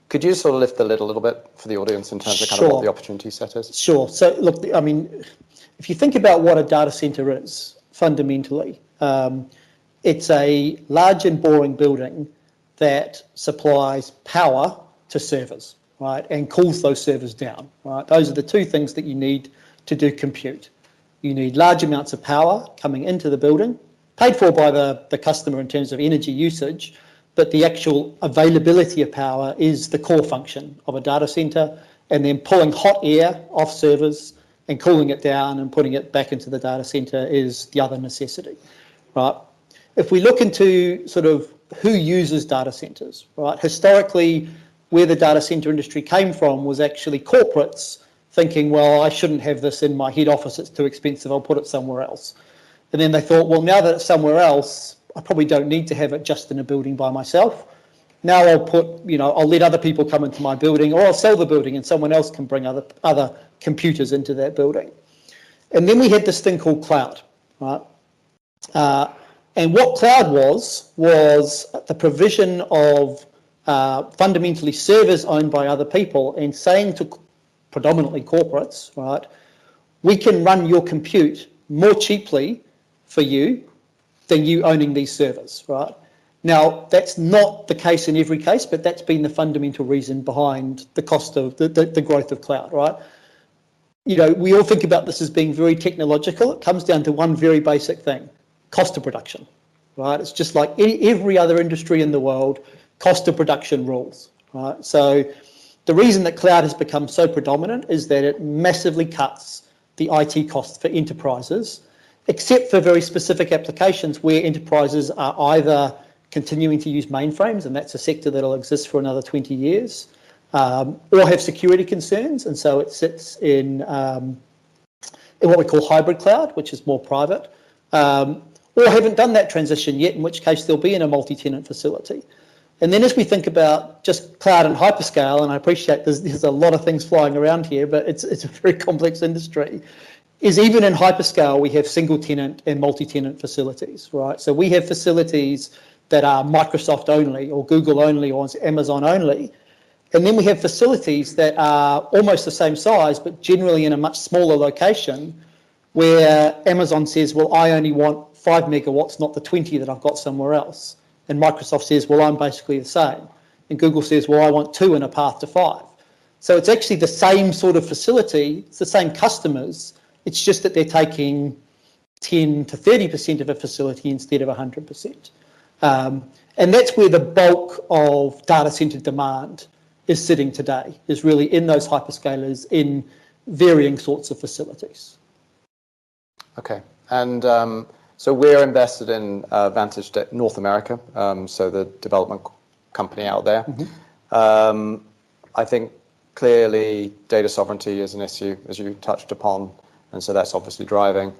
Could you sort of lift the lid a little bit for the audience in terms of- Sure... kind of the opportunity set is? Sure. So look, I mean, if you think about what a data center is, fundamentally, it's a large and boring building that supplies power to servers, right? And cools those servers down, right? Those are the two things that you need to do compute. You need large amounts of power coming into the building, paid for by the, the customer in terms of energy usage, but the actual availability of power is the core function of a data center. And then pulling hot air off servers and cooling it down and putting it back into the data center is the other necessity. Right. If we look into sort of who uses data centers, right? Historically, where the data center industry came from was actually corporates thinking, "Well, I shouldn't have this in my head office. It's too expensive. I'll put it somewhere else." And then they thought, "Well, now that it's somewhere else, I probably don't need to have it just in a building by myself. Now, I'll put... You know, I'll let other people come into my building, or I'll sell the building, and someone else can bring other, other computers into that building." And then we had this thing called cloud, right? And what cloud was, was the provision of, fundamentally servers owned by other people and saying to predominantly corporates, right, "We can run your compute more cheaply for you than you owning these servers," right? Now, that's not the case in every case, but that's been the fundamental reason behind the cost of the growth of cloud, right? You know, we all think about this as being very technological. It comes down to one very basic thing: cost of production, right? It's just like every other industry in the world, cost of production rules, right? So the reason that cloud has become so predominant is that it massively cuts the IT costs for enterprises, except for very specific applications where enterprises are either continuing to use mainframes, and that's a sector that'll exist for another 20 years, or have security concerns, and so it sits in in what we call hybrid cloud, which is more private, or haven't done that transition yet, in which case they'll be in a multi-tenant facility. And then, as we think about just cloud and hyperscale, and I appreciate this, there's a lot of things flying around here, but it's a very complex industry; even in hyperscale, we have single-tenant and multi-tenant facilities, right? So we have facilities that are Microsoft-only or Google-only or Amazon-only, and then we have facilities that are almost the same size but generally in a much smaller location, where Amazon says, "Well, I only want five megawatts, not the 20 that I've got somewhere else." Then Microsoft says, "Well, I'm basically the same." And Google says, "Well, I want two and a path to five." So it's actually the same sort of facility, it's the same customers, it's just that they're taking 10%-30% of a facility instead of 100%. And that's where the bulk of data center demand is sitting today, is really in those hyperscalers, in varying sorts of facilities. Okay, and so we're invested in Vantage North America, so the development company out there. Mm-hmm. I think clearly data sovereignty is an issue, as you touched upon, and so that's obviously driving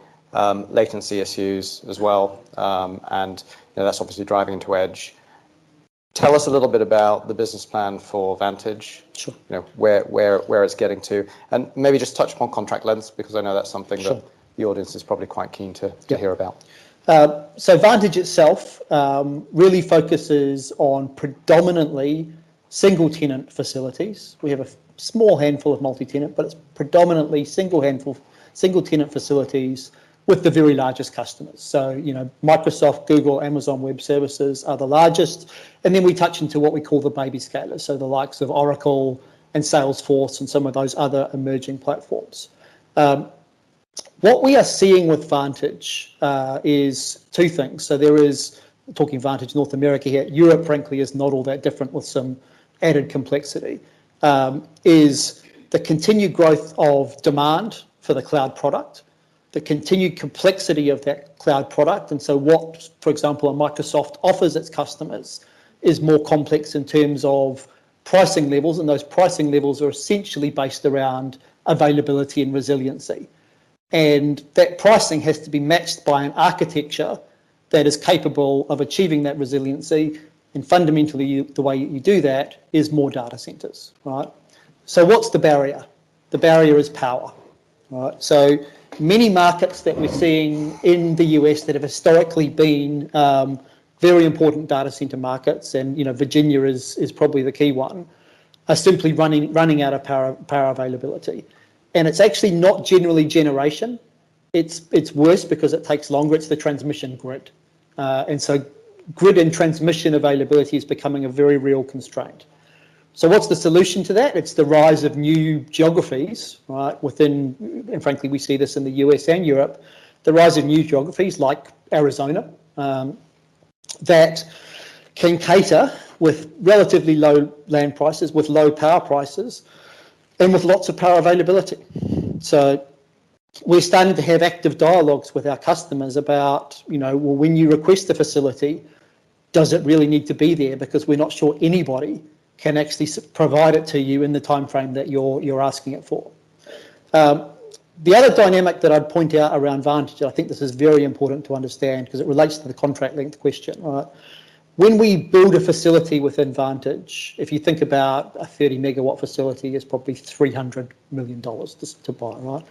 latency issues as well. You know, that's obviously driving into edge. Tell us a little bit about the business plan for Vantage- Sure. You know, where it's getting to, and maybe just touch upon contract length, because I know that's something that- Sure the audience is probably quite keen to Yep to hear about. So Vantage itself really focuses on predominantly single-tenant facilities. We have a small handful of multi-tenant, but it's predominantly single handful, single-tenant facilities with the very largest customers. So, you know, Microsoft, Google, Amazon Web Services are the largest, and then we touch into what we call the baby scalers, so the likes of Oracle and Salesforce and some of those other emerging platforms. What we are seeing with Vantage is two things. So there is, talking Vantage North America here, Europe, frankly, is not all that different with some added complexity, is the continued growth of demand for the cloud product, the continued complexity of that cloud product. And so what, for example, a Microsoft offers its customers is more complex in terms of pricing levels, and those pricing levels are essentially based around availability and resiliency. That pricing has to be matched by an architecture that is capable of achieving that resiliency, and fundamentally, you, the way you do that is more data centers, right? So what's the barrier? The barrier is power, right? So many markets that we're seeing in the U.S. that have historically been very important data center markets, and, you know, Virginia is probably the key one, are simply running out of power, power availability. And it's actually not generally generation, it's worse because it takes longer. It's the transmission grid. And so grid and transmission availability is becoming a very real constraint. So what's the solution to that? It's the rise of new geographies, right, within... And frankly, we see this in the U.S. and Europe. The rise of new geographies like Arizona that can cater with relatively low land prices, with low power prices, and with lots of power availability. So we're starting to have active dialogues with our customers about, you know, well, when you request a facility does it really need to be there? Because we're not sure anybody can actually provide it to you in the timeframe that you're, you're asking it for. The other dynamic that I'd point out around Vantage, and I think this is very important to understand 'cause it relates to the contract length question, right? When we build a facility within Vantage, if you think about a 30-megawatt facility, it's probably $300 million just to buy, right?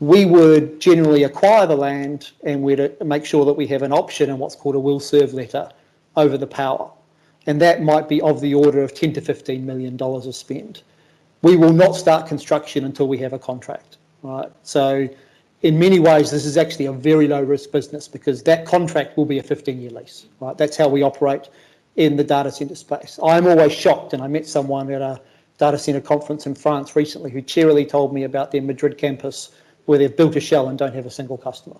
We would generally acquire the land, and we'd make sure that we have an option and what's called a will serve letter over the power, and that might be of the order of $10-$15 million of spend. We will not start construction until we have a contract, right? So in many ways, this is actually a very low-risk business because that contract will be a 15-year lease, right? That's how we operate in the data center space. I'm always shocked, and I met someone at a data center conference in France recently, who cheerily told me about their Madrid campus, where they've built a shell and don't have a single customer.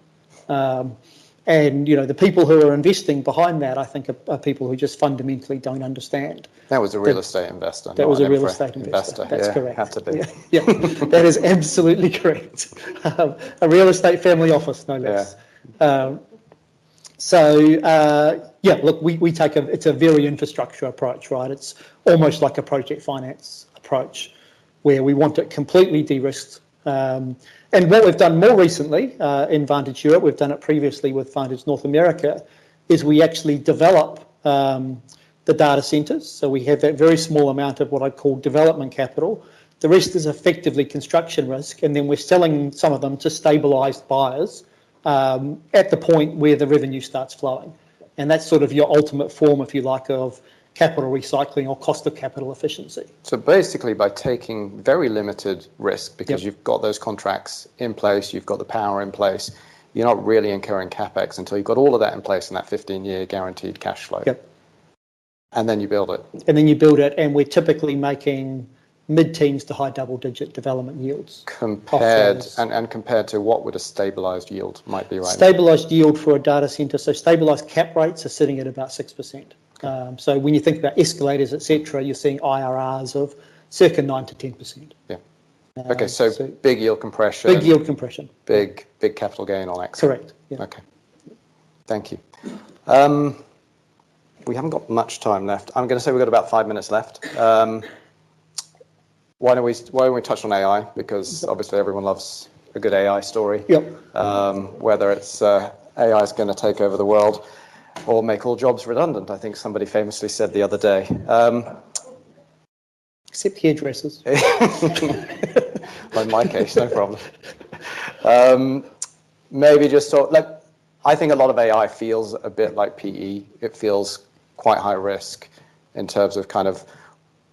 And, you know, the people who are investing behind that, I think are people who just fundamentally don't understand- That was a real estate investor. That was a real estate investor. Investor. That's correct. Had to be. Yeah. Yeah, that is absolutely correct. A real estate family office, no less. Yeah. So, yeah, look, we take. It's a very infrastructure approach, right? It's almost like a project finance approach, where we want it completely de-risked. And what we've done more recently in Vantage Europe, we've done it previously with Vantage North America, is we actually develop the data centers. So we have that very small amount of what I call development capital. The rest is effectively construction risk, and then we're selling some of them to stabilized buyers at the point where the revenue starts flowing. And that's sort of your ultimate form, if you like, of capital recycling or cost of capital efficiency. Basically, by taking very limited risk- Yep... because you've got those contracts in place, you've got the power in place, you're not really incurring CapEx until you've got all of that in place and that 15-year guaranteed cash flow. Yep. You build it. And then you build it, and we're typically making mid-teens to high double-digit development yields. Compared to what would a stabilized yield might be like? Stabilized yield for a data center, so stabilized cap rates are sitting at about 6%. Okay. So when you think about escalators, et cetera, you're seeing IRRs of circa 9%-10%. Yeah. Uh, so- Okay, so big yield compression. Big yield compression. Big, big capital gain on exit. Correct. Yeah. Okay. Thank you. We haven't got much time left. I'm gonna say we've got about five minutes left. Why don't we, why don't we touch on AI? Because obviously everyone loves a good AI story. Yep. Whether it's AI's gonna take over the world or make all jobs redundant, I think somebody famously said the other day. Except the addresses. Well, in my case, no problem. Like, I think a lot of AI feels a bit like PE. It feels quite high risk in terms of kind of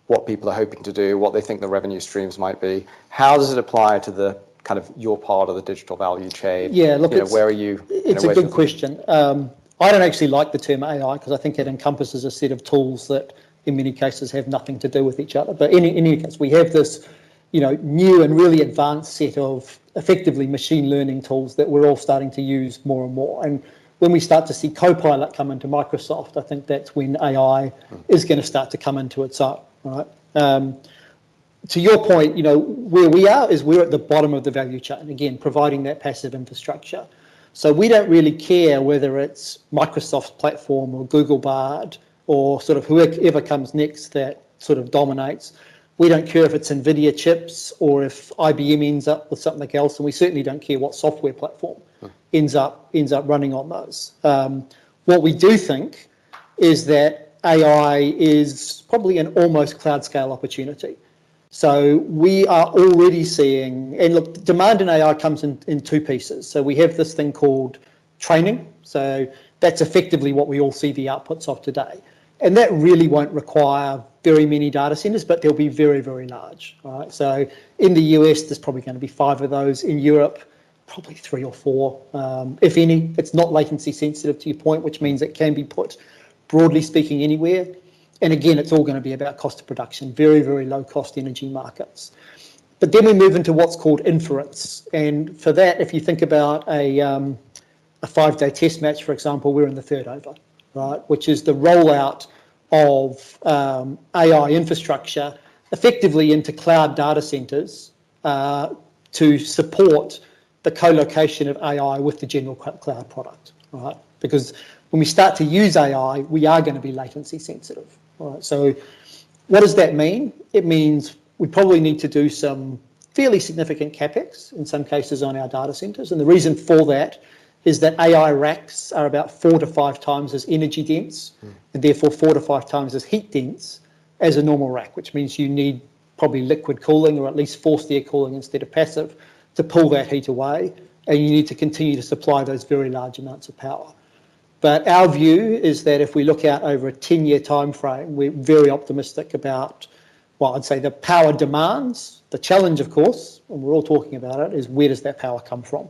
what people are hoping to do, what they think the revenue streams might be. How does it apply to the kind of your part of the digital value chain? Yeah, look, it's- Where are you- It's a good question. I don't actually like the term AI 'cause I think it encompasses a set of tools that, in many cases, have nothing to do with each other. But in any case, we have this, you know, new and really advanced set of effectively machine learning tools that we're all starting to use more and more. And when we start to see Copilot come into Microsoft, I think that's when AI- Mm... is gonna start to come into its own, right? To your point, you know, where we are is we're at the bottom of the value chain, again, providing that passive infrastructure. So we don't really care whether it's Microsoft platform or Google Bard or sort of whoever comes next that sort of dominates. We don't care if it's NVIDIA chips or if IBM ends up with something else, and we certainly don't care what software platform- Mm... ends up running on those. What we do think is that AI is probably an almost cloud-scale opportunity. So we are already seeing... And look, demand in AI comes in two pieces. So we have this thing called training, so that's effectively what we all see the outputs of today. And that really won't require very many data centers, but they'll be very, very large, right? So in the U.S., there's probably gonna be five of those; in Europe, probably three or four, if any. It's not latency sensitive, to your point, which means it can be put, broadly speaking, anywhere. And again, it's all gonna be about cost of production, very, very low-cost energy markets. But then we move into what's called inference, and for that, if you think about a five-day test match, for example, we're in the third over, right? Which is the rollout of AI infrastructure effectively into cloud data centers to support the co-location of AI with the general cloud product, right? Because when we start to use AI, we are gonna be latency sensitive, right? So what does that mean? It means we probably need to do some fairly significant CapEx, in some cases, on our data centers, and the reason for that is that AI racks are about four-five times as energy dense- Mm... and therefore, four-five times as heat dense as a normal rack, which means you need probably liquid cooling or at least forced air cooling instead of passive, to pull that heat away, and you need to continue to supply those very large amounts of power. But our view is that if we look out over a 10-year timeframe, we're very optimistic about, well, I'd say, the power demands. The challenge, of course, and we're all talking about it, is where does that power come from?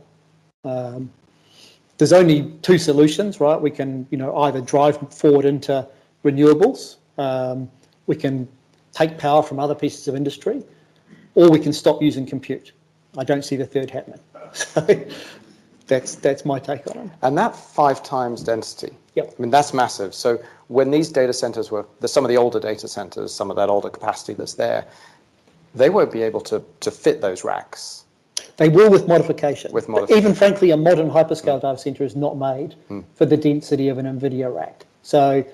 There's only two solutions, right? We can, you know, either drive forward into renewables, we can take power from other pieces of industry, or we can stop using compute. I don't see the third happening. So that's, that's my take on it. And that 5 times density- Yep... I mean, that's massive. So when these data centers were... Some of the older data centers, some of that older capacity that's there... they won't be able to fit those racks. They will with modification. With modification. Even frankly, a modern hyperscale data center is not made- Mm For the density of an NVIDIA rack. So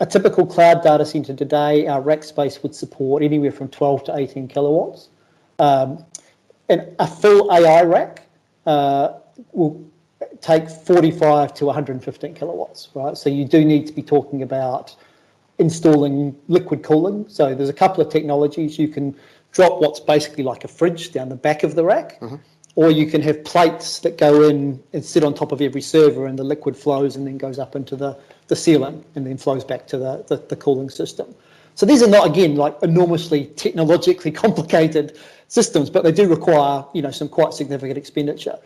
a typical cloud data center today, our rack space would support anywhere from 12-18 kW. And a full AI rack will take 45-115 kW, right? So you do need to be talking about installing liquid cooling. So there's a couple of technologies. You can drop what's basically like a fridge down the back of the rack- Mm-hmm... or you can have plates that go in and sit on top of every server, and the liquid flows and then goes up into the ceiling, and then flows back to the cooling system. So these are not, again, like enormously technologically complicated systems, but they do require, you know, some quite significant expenditure.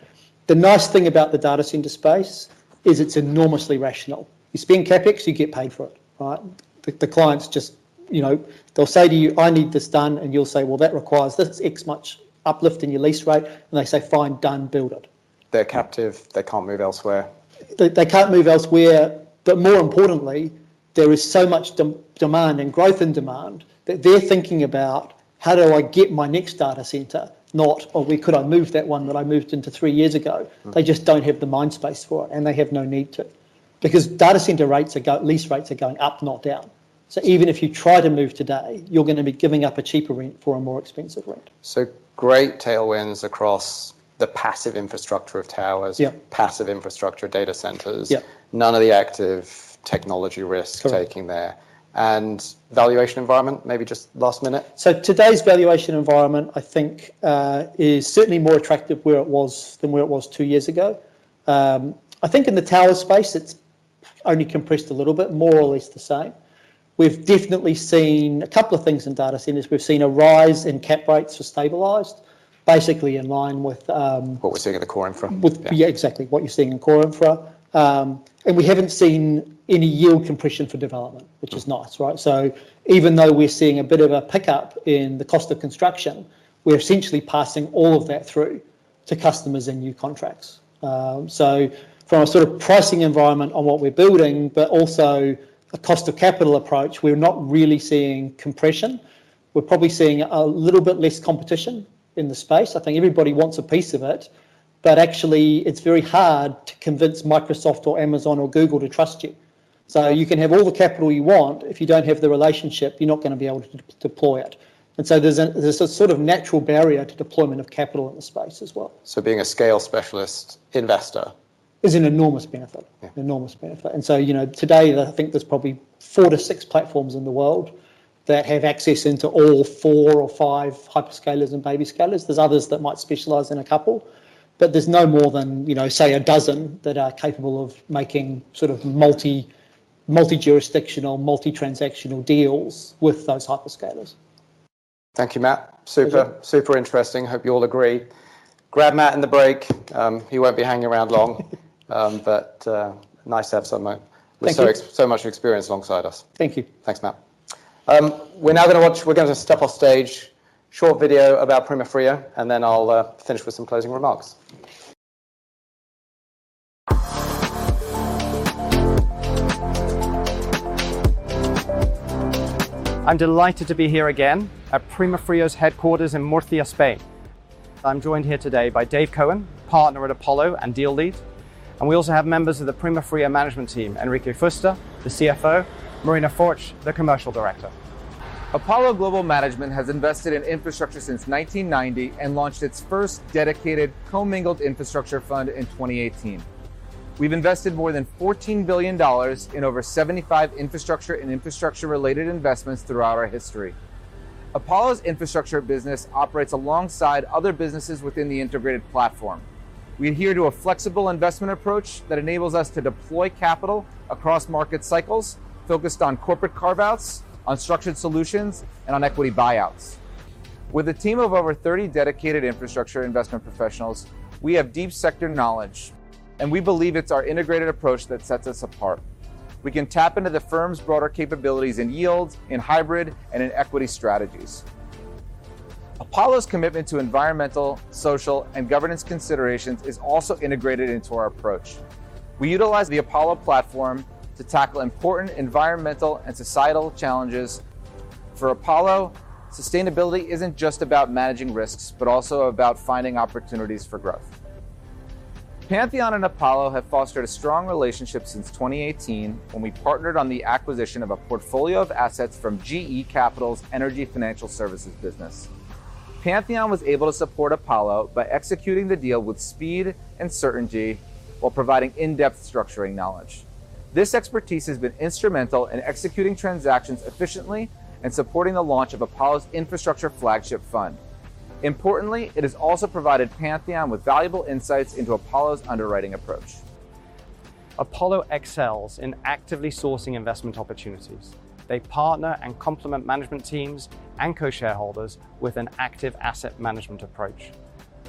The nice thing about the data center space is it's enormously rational. You spend CapEx, you get paid for it, right? The clients just, you know, they'll say to you, "I need this done," and you'll say, "Well, that requires... That's X much uplift in your lease rate." And they say, "Fine, done. Build it. They're captive. They can't move elsewhere. They, they can't move elsewhere, but more importantly, there is so much demand and growth in demand that they're thinking about, "How do I get my next data center?" Not, "Well, where could I move that one that I moved into three years ago? Mm. They just don't have the mind space for it, and they have no need to. Because lease rates are going up, not down. So even if you try to move today, you're gonna be giving up a cheaper rent for a more expensive rent. So great tailwinds across the passive infrastructure of towers- Yeah... passive infrastructure data centers. Yeah. None of the active technology risks- Correct -taking there. And valuation environment, maybe just last minute? So today's valuation environment, I think, is certainly more attractive where it was than where it was two years ago. I think in the tower space, it's only compressed a little bit, more or less the same. We've definitely seen a couple of things in data centers. We've seen a rise in cap rates have stabilized, basically in line with, What we're seeing at the core infra. Yeah, exactly, what you're seeing in core infra. And we haven't seen any yield compression for development, which is nice, right? So even though we're seeing a bit of a pickup in the cost of construction, we're essentially passing all of that through to customers and new contracts. So from a sort of pricing environment on what we're building, but also a cost of capital approach, we're not really seeing compression. We're probably seeing a little bit less competition in the space. I think everybody wants a piece of it, but actually it's very hard to convince Microsoft or Amazon or Google to trust you. So you can have all the capital you want, if you don't have the relationship, you're not gonna be able to deploy it. And so there's a sort of natural barrier to deployment of capital in the space as well. Being a scale specialist investor- Is an enormous benefit. Yeah. Enormous benefit. And so, you know, today I think there's probably four-six platforms in the world that have access into all four or five hyperscalers and baby scalers. There's others that might specialize in a couple, but there's no more than, you know, say, a dozen that are capable of making sort of multi, multi-jurisdictional, multi-transactional deals with those hyperscalers. Thank you, Matt. Pleasure. Super, super interesting. Hope you all agree. Grab Matt in the break. He won't be hanging around long. Nice to have someone with so- Thank you... so much experience alongside us. Thank you. Thanks, Matt. We're now gonna watch... We're going to step off stage, short video about Primafrio, and then I'll finish with some closing remarks. I'm delighted to be here again at Primafrio's headquarters in Murcia, Spain. I'm joined here today by Dave Cohen, partner at Apollo and deal lead, and we also have members of the Primafrio management team, Enrique Fuster, the CFO, Marina Ortín the commercial director. Apollo Global Management has invested in infrastructure since 1990 and launched its first dedicated commingled infrastructure fund in 2018. We've invested more than $14 billion in over 75 infrastructure and infrastructure-related investments throughout our history. Apollo's infrastructure business operates alongside other businesses within the integrated platform. We adhere to a flexible investment approach that enables us to deploy capital across market cycles, focused on corporate carve-outs, on structured solutions, and on equity buyouts. With a team of over 30 dedicated infrastructure investment professionals, we have deep sector knowledge, and we believe it's our integrated approach that sets us apart. We can tap into the firm's broader capabilities in yields, in hybrid, and in equity strategies. Apollo's commitment to environmental, social, and governance considerations is also integrated into our approach. We utilize the Apollo platform to tackle important environmental and societal challenges. For Apollo, sustainability isn't just about managing risks, but also about finding opportunities for growth. Pantheon and Apollo have fostered a strong relationship since 2018, when we partnered on the acquisition of a portfolio of assets from GE Capital's Energy Financial Services business. Pantheon was able to support Apollo by executing the deal with speed and certainty while providing in-depth structuring knowledge. This expertise has been instrumental in executing transactions efficiently and supporting the launch of Apollo's infrastructure flagship fund. Importantly, it has also provided Pantheon with valuable insights into Apollo's underwriting approach. Apollo excels in actively sourcing investment opportunities. They partner and complement management teams and co-shareholders with an active asset management approach.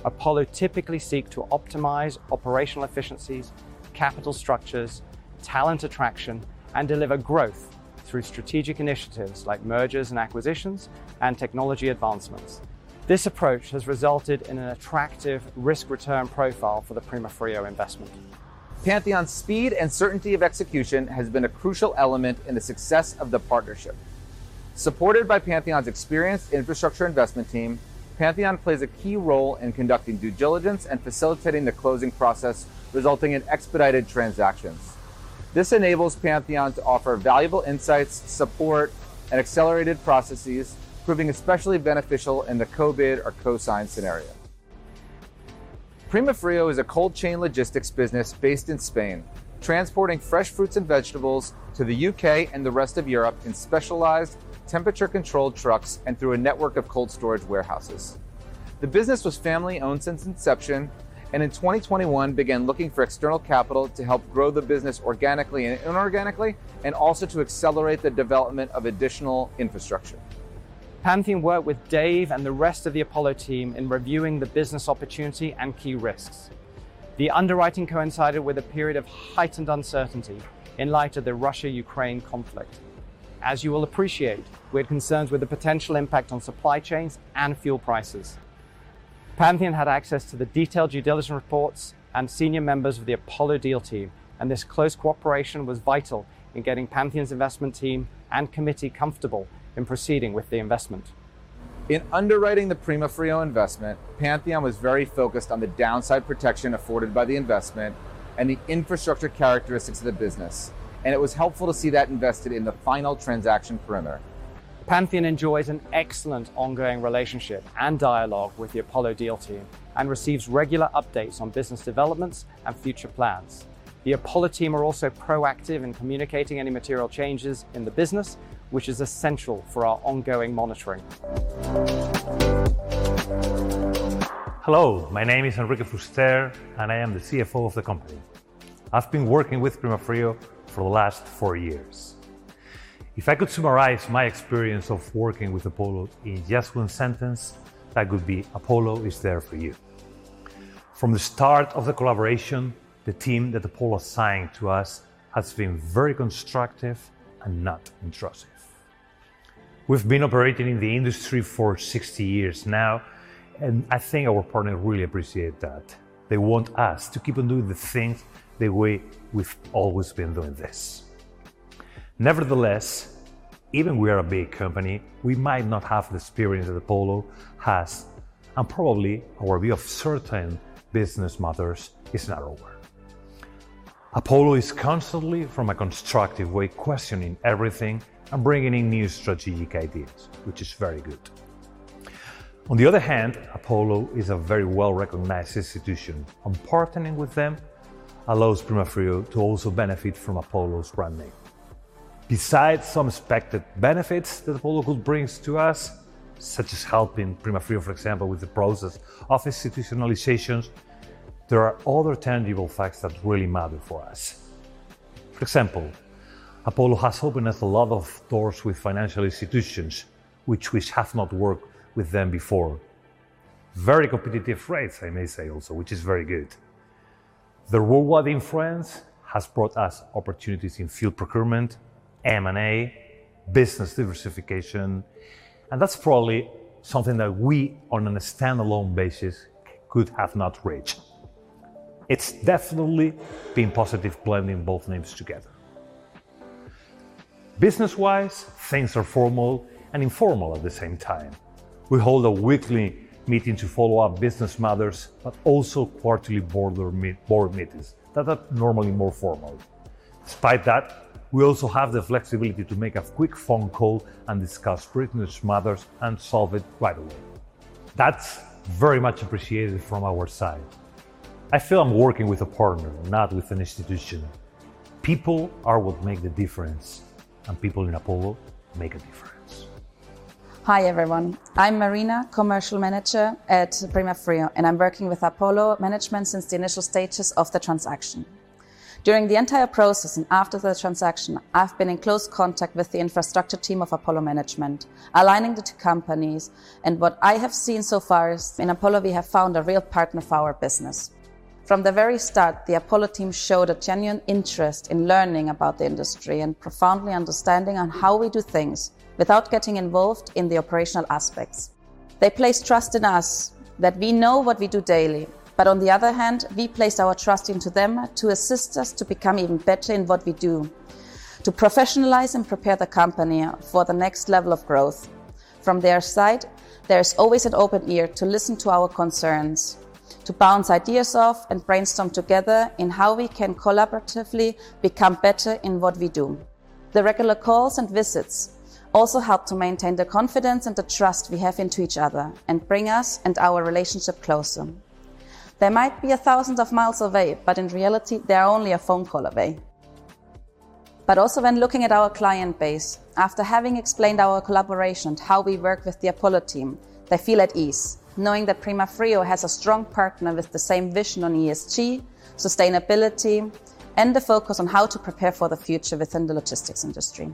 Apollo typically seek to optimize operational efficiencies, capital structures, talent attraction, and deliver growth through strategic initiatives like mergers and acquisitions and technology advancements. This approach has resulted in an attractive risk-return profile for the Primafrio investment.... Pantheon's speed and certainty of execution has been a crucial element in the success of the partnership. Supported by Pantheon's experienced infrastructure investment team, Pantheon plays a key role in conducting due diligence and facilitating the closing process, resulting in expedited transactions. This enables Pantheon to offer valuable insights, support, and accelerated processes, proving especially beneficial in the co-bid or co-sign scenario. Primafrio is a cold chain logistics business based in Spain, transporting fresh fruits and vegetables to the U.K. and the rest of Europe in specialized temperature-controlled trucks and through a network of cold storage warehouses. The business was family-owned since inception, and in 2021 began looking for external capital to help grow the business organically and inorganically, and also to accelerate the development of additional infrastructure. Pantheon worked with Dave and the rest of the Apollo team in reviewing the business opportunity and key risks. The underwriting coincided with a period of heightened uncertainty in light of the Russia-Ukraine conflict. As you will appreciate, we're concerned with the potential impact on supply chains and fuel prices. Pantheon had access to the detailed due diligence reports and senior members of the Apollo deal team, and this close cooperation was vital in getting Pantheon's investment team and committee comfortable in proceeding with the investment. In underwriting the Primafrio investment, Pantheon was very focused on the downside protection afforded by the investment and the infrastructure characteristics of the business, and it was helpful to see that invested in the final transaction perimeter. Pantheon enjoys an excellent ongoing relationship and dialogue with the Apollo deal team, and receives regular updates on business developments and future plans. The Apollo team are also proactive in communicating any material changes in the business, which is essential for our ongoing monitoring. Hello, my name is Enrique Fuster, and I am the CFO of the company. I've been working with Primafrio for the last four years. If I could summarize my experience of working with Apollo in just one sentence, that would be: Apollo is there for you. From the start of the collaboration, the team that Apollo assigned to us has been very constructive and not intrusive. We've been operating in the industry for 60 years now, and I think our partners really appreciate that. They want us to keep on doing the things the way we've always been doing this. Nevertheless, even we are a big company, we might not have the experience that Apollo has, and probably our view of certain business matters is narrower. Apollo is constantly, from a constructive way, questioning everything and bringing in new strategic ideas, which is very good. On the other hand, Apollo is a very well-recognized institution, and partnering with them allows Primafrio to also benefit from Apollo's brand name. Besides some expected benefits that Apollo could brings to us, such as helping Primafrio, for example, with the process of institutionalizations, there are other tangible facts that really matter for us. For example, Apollo has opened us a lot of doors with financial institutions which we have not worked with them before. Very competitive rates, I may say also, which is very good. Their worldwide influence has brought us opportunities in fuel procurement, M&A, business diversification, and that's probably something that we, on a standalone basis, could have not reached. It's definitely been positive blending both names together. Business-wise, things are formal and informal at the same time. We hold a weekly meeting to follow up business matters, but also quarterly board meetings that are normally more formal. Despite that, we also have the flexibility to make a quick phone call and discuss business matters and solve it right away. That's very much appreciated from our side. I feel I'm working with a partner, not with an institution. People are what make the difference, and people in Apollo make a difference. Hi, everyone. I'm Marina, commercial manager at Primafrio, and I'm working with Apollo Management since the initial stages of the transaction. During the entire process and after the transaction, I've been in close contact with the infrastructure team of Apollo Management, aligning the two companies. And what I have seen so far is, in Apollo, we have found a real partner for our business. From the very start, the Apollo team showed a genuine interest in learning about the industry and profoundly understanding on how we do things without getting involved in the operational aspects. They place trust in us that we know what we do daily, but on the other hand, we place our trust into them to assist us to become even better in what we do, to professionalize and prepare the company for the next level of growth. From their side, there is always an open ear to listen to our concerns, to bounce ideas off and brainstorm together in how we can collaboratively become better in what we do. The regular calls and visits also help to maintain the confidence and the trust we have into each other and bring us and our relationship closer. They might be thousands of miles away, but in reality, they are only a phone call away. But also when looking at our client base, after having explained our collaboration and how we work with the Apollo team, they feel at ease knowing that Primafrio has a strong partner with the same vision on ESG, sustainability, and the focus on how to prepare for the future within the logistics industry.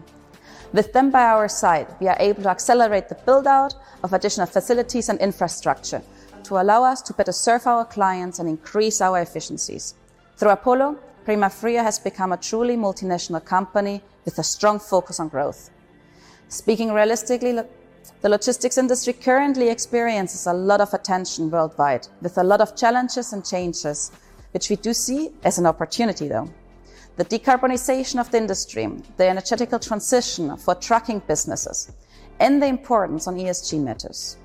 With them by our side, we are able to accelerate the build-out of additional facilities and infrastructure to allow us to better serve our clients and increase our efficiencies. Through Apollo, Primafrio has become a truly multinational company with a strong focus on growth. Speaking realistically, the logistics industry currently experiences a lot of attention worldwide, with a lot of challenges and changes, which we do see as an opportunity, though. The decarbonization of the industry, the energy transition for trucking businesses, and the importance on ESG matters.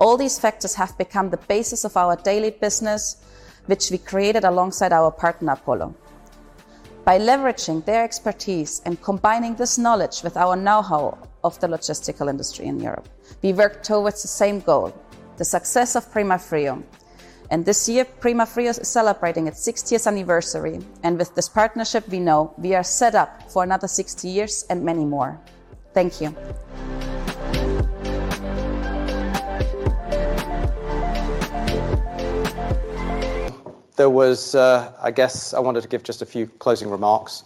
All these factors have become the basis of our daily business, which we created alongside our partner, Apollo. By leveraging their expertise and combining this knowledge with our know-how of the logistical industry in Europe, we work towards the same goal, the success of Primafrio. This year, Primafrio is celebrating its sixtieth anniversary, and with this partnership, we know we are set up for another sixty years and many more. Thank you. There was, I guess I wanted to give just a few closing remarks.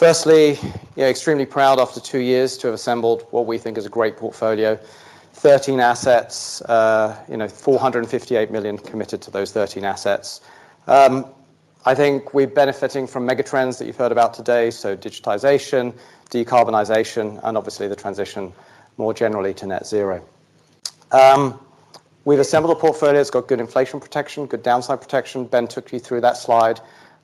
Firstly, you know, extremely proud after two years to have assembled what we think is a great portfolio. 13 assets, you know, 458 million committed to those 13 assets. I think we're benefiting from mega trends that you've heard about today, so digitization, decarbonization, and obviously the transition more generally to net zero. We've assembled a portfolio that's got good inflation protection, good downside protection. Ben took you through that slide.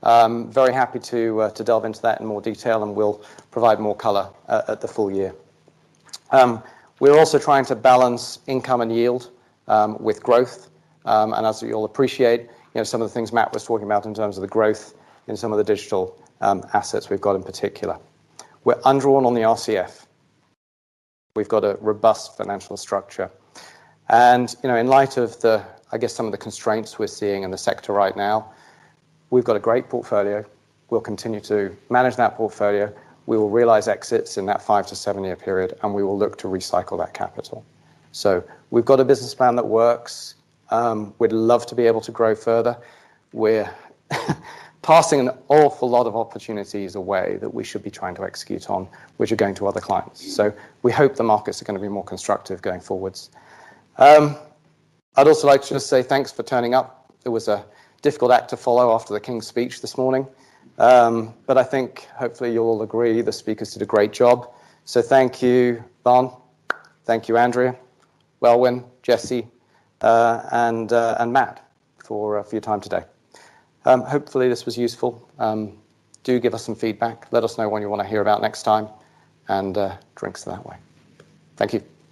I'm very happy to delve into that in more detail, and we'll provide more color at the full year. We're also trying to balance income and yield with growth. And as you'll appreciate, you know, some of the things Matt was talking about in terms of the growth in some of the digital assets we've got in particular. We're undrawn on the RCF. We've got a robust financial structure. You know, in light of the, I guess, some of the constraints we're seeing in the sector right now, we've got a great portfolio. We'll continue to manage that portfolio. We will realize exits in that five-seven year period, and we will look to recycle that capital. So we've got a business plan that works. We'd love to be able to grow further. We're passing an awful lot of opportunities away that we should be trying to execute on, which are going to other clients. So we hope the markets are gonna be more constructive going forwards. I'd also like to just say thanks for turning up. It was a difficult act to follow after the King's Speech this morning. But I think hopefully you'll all agree the speakers did a great job. So thank you, Vagn. Thank you, Andrea, Welwin, Jesse, and Matt, for your time today. Hopefully this was useful. Do give us some feedback. Let us know what you wanna hear about next time, and drinks that way. Thank you.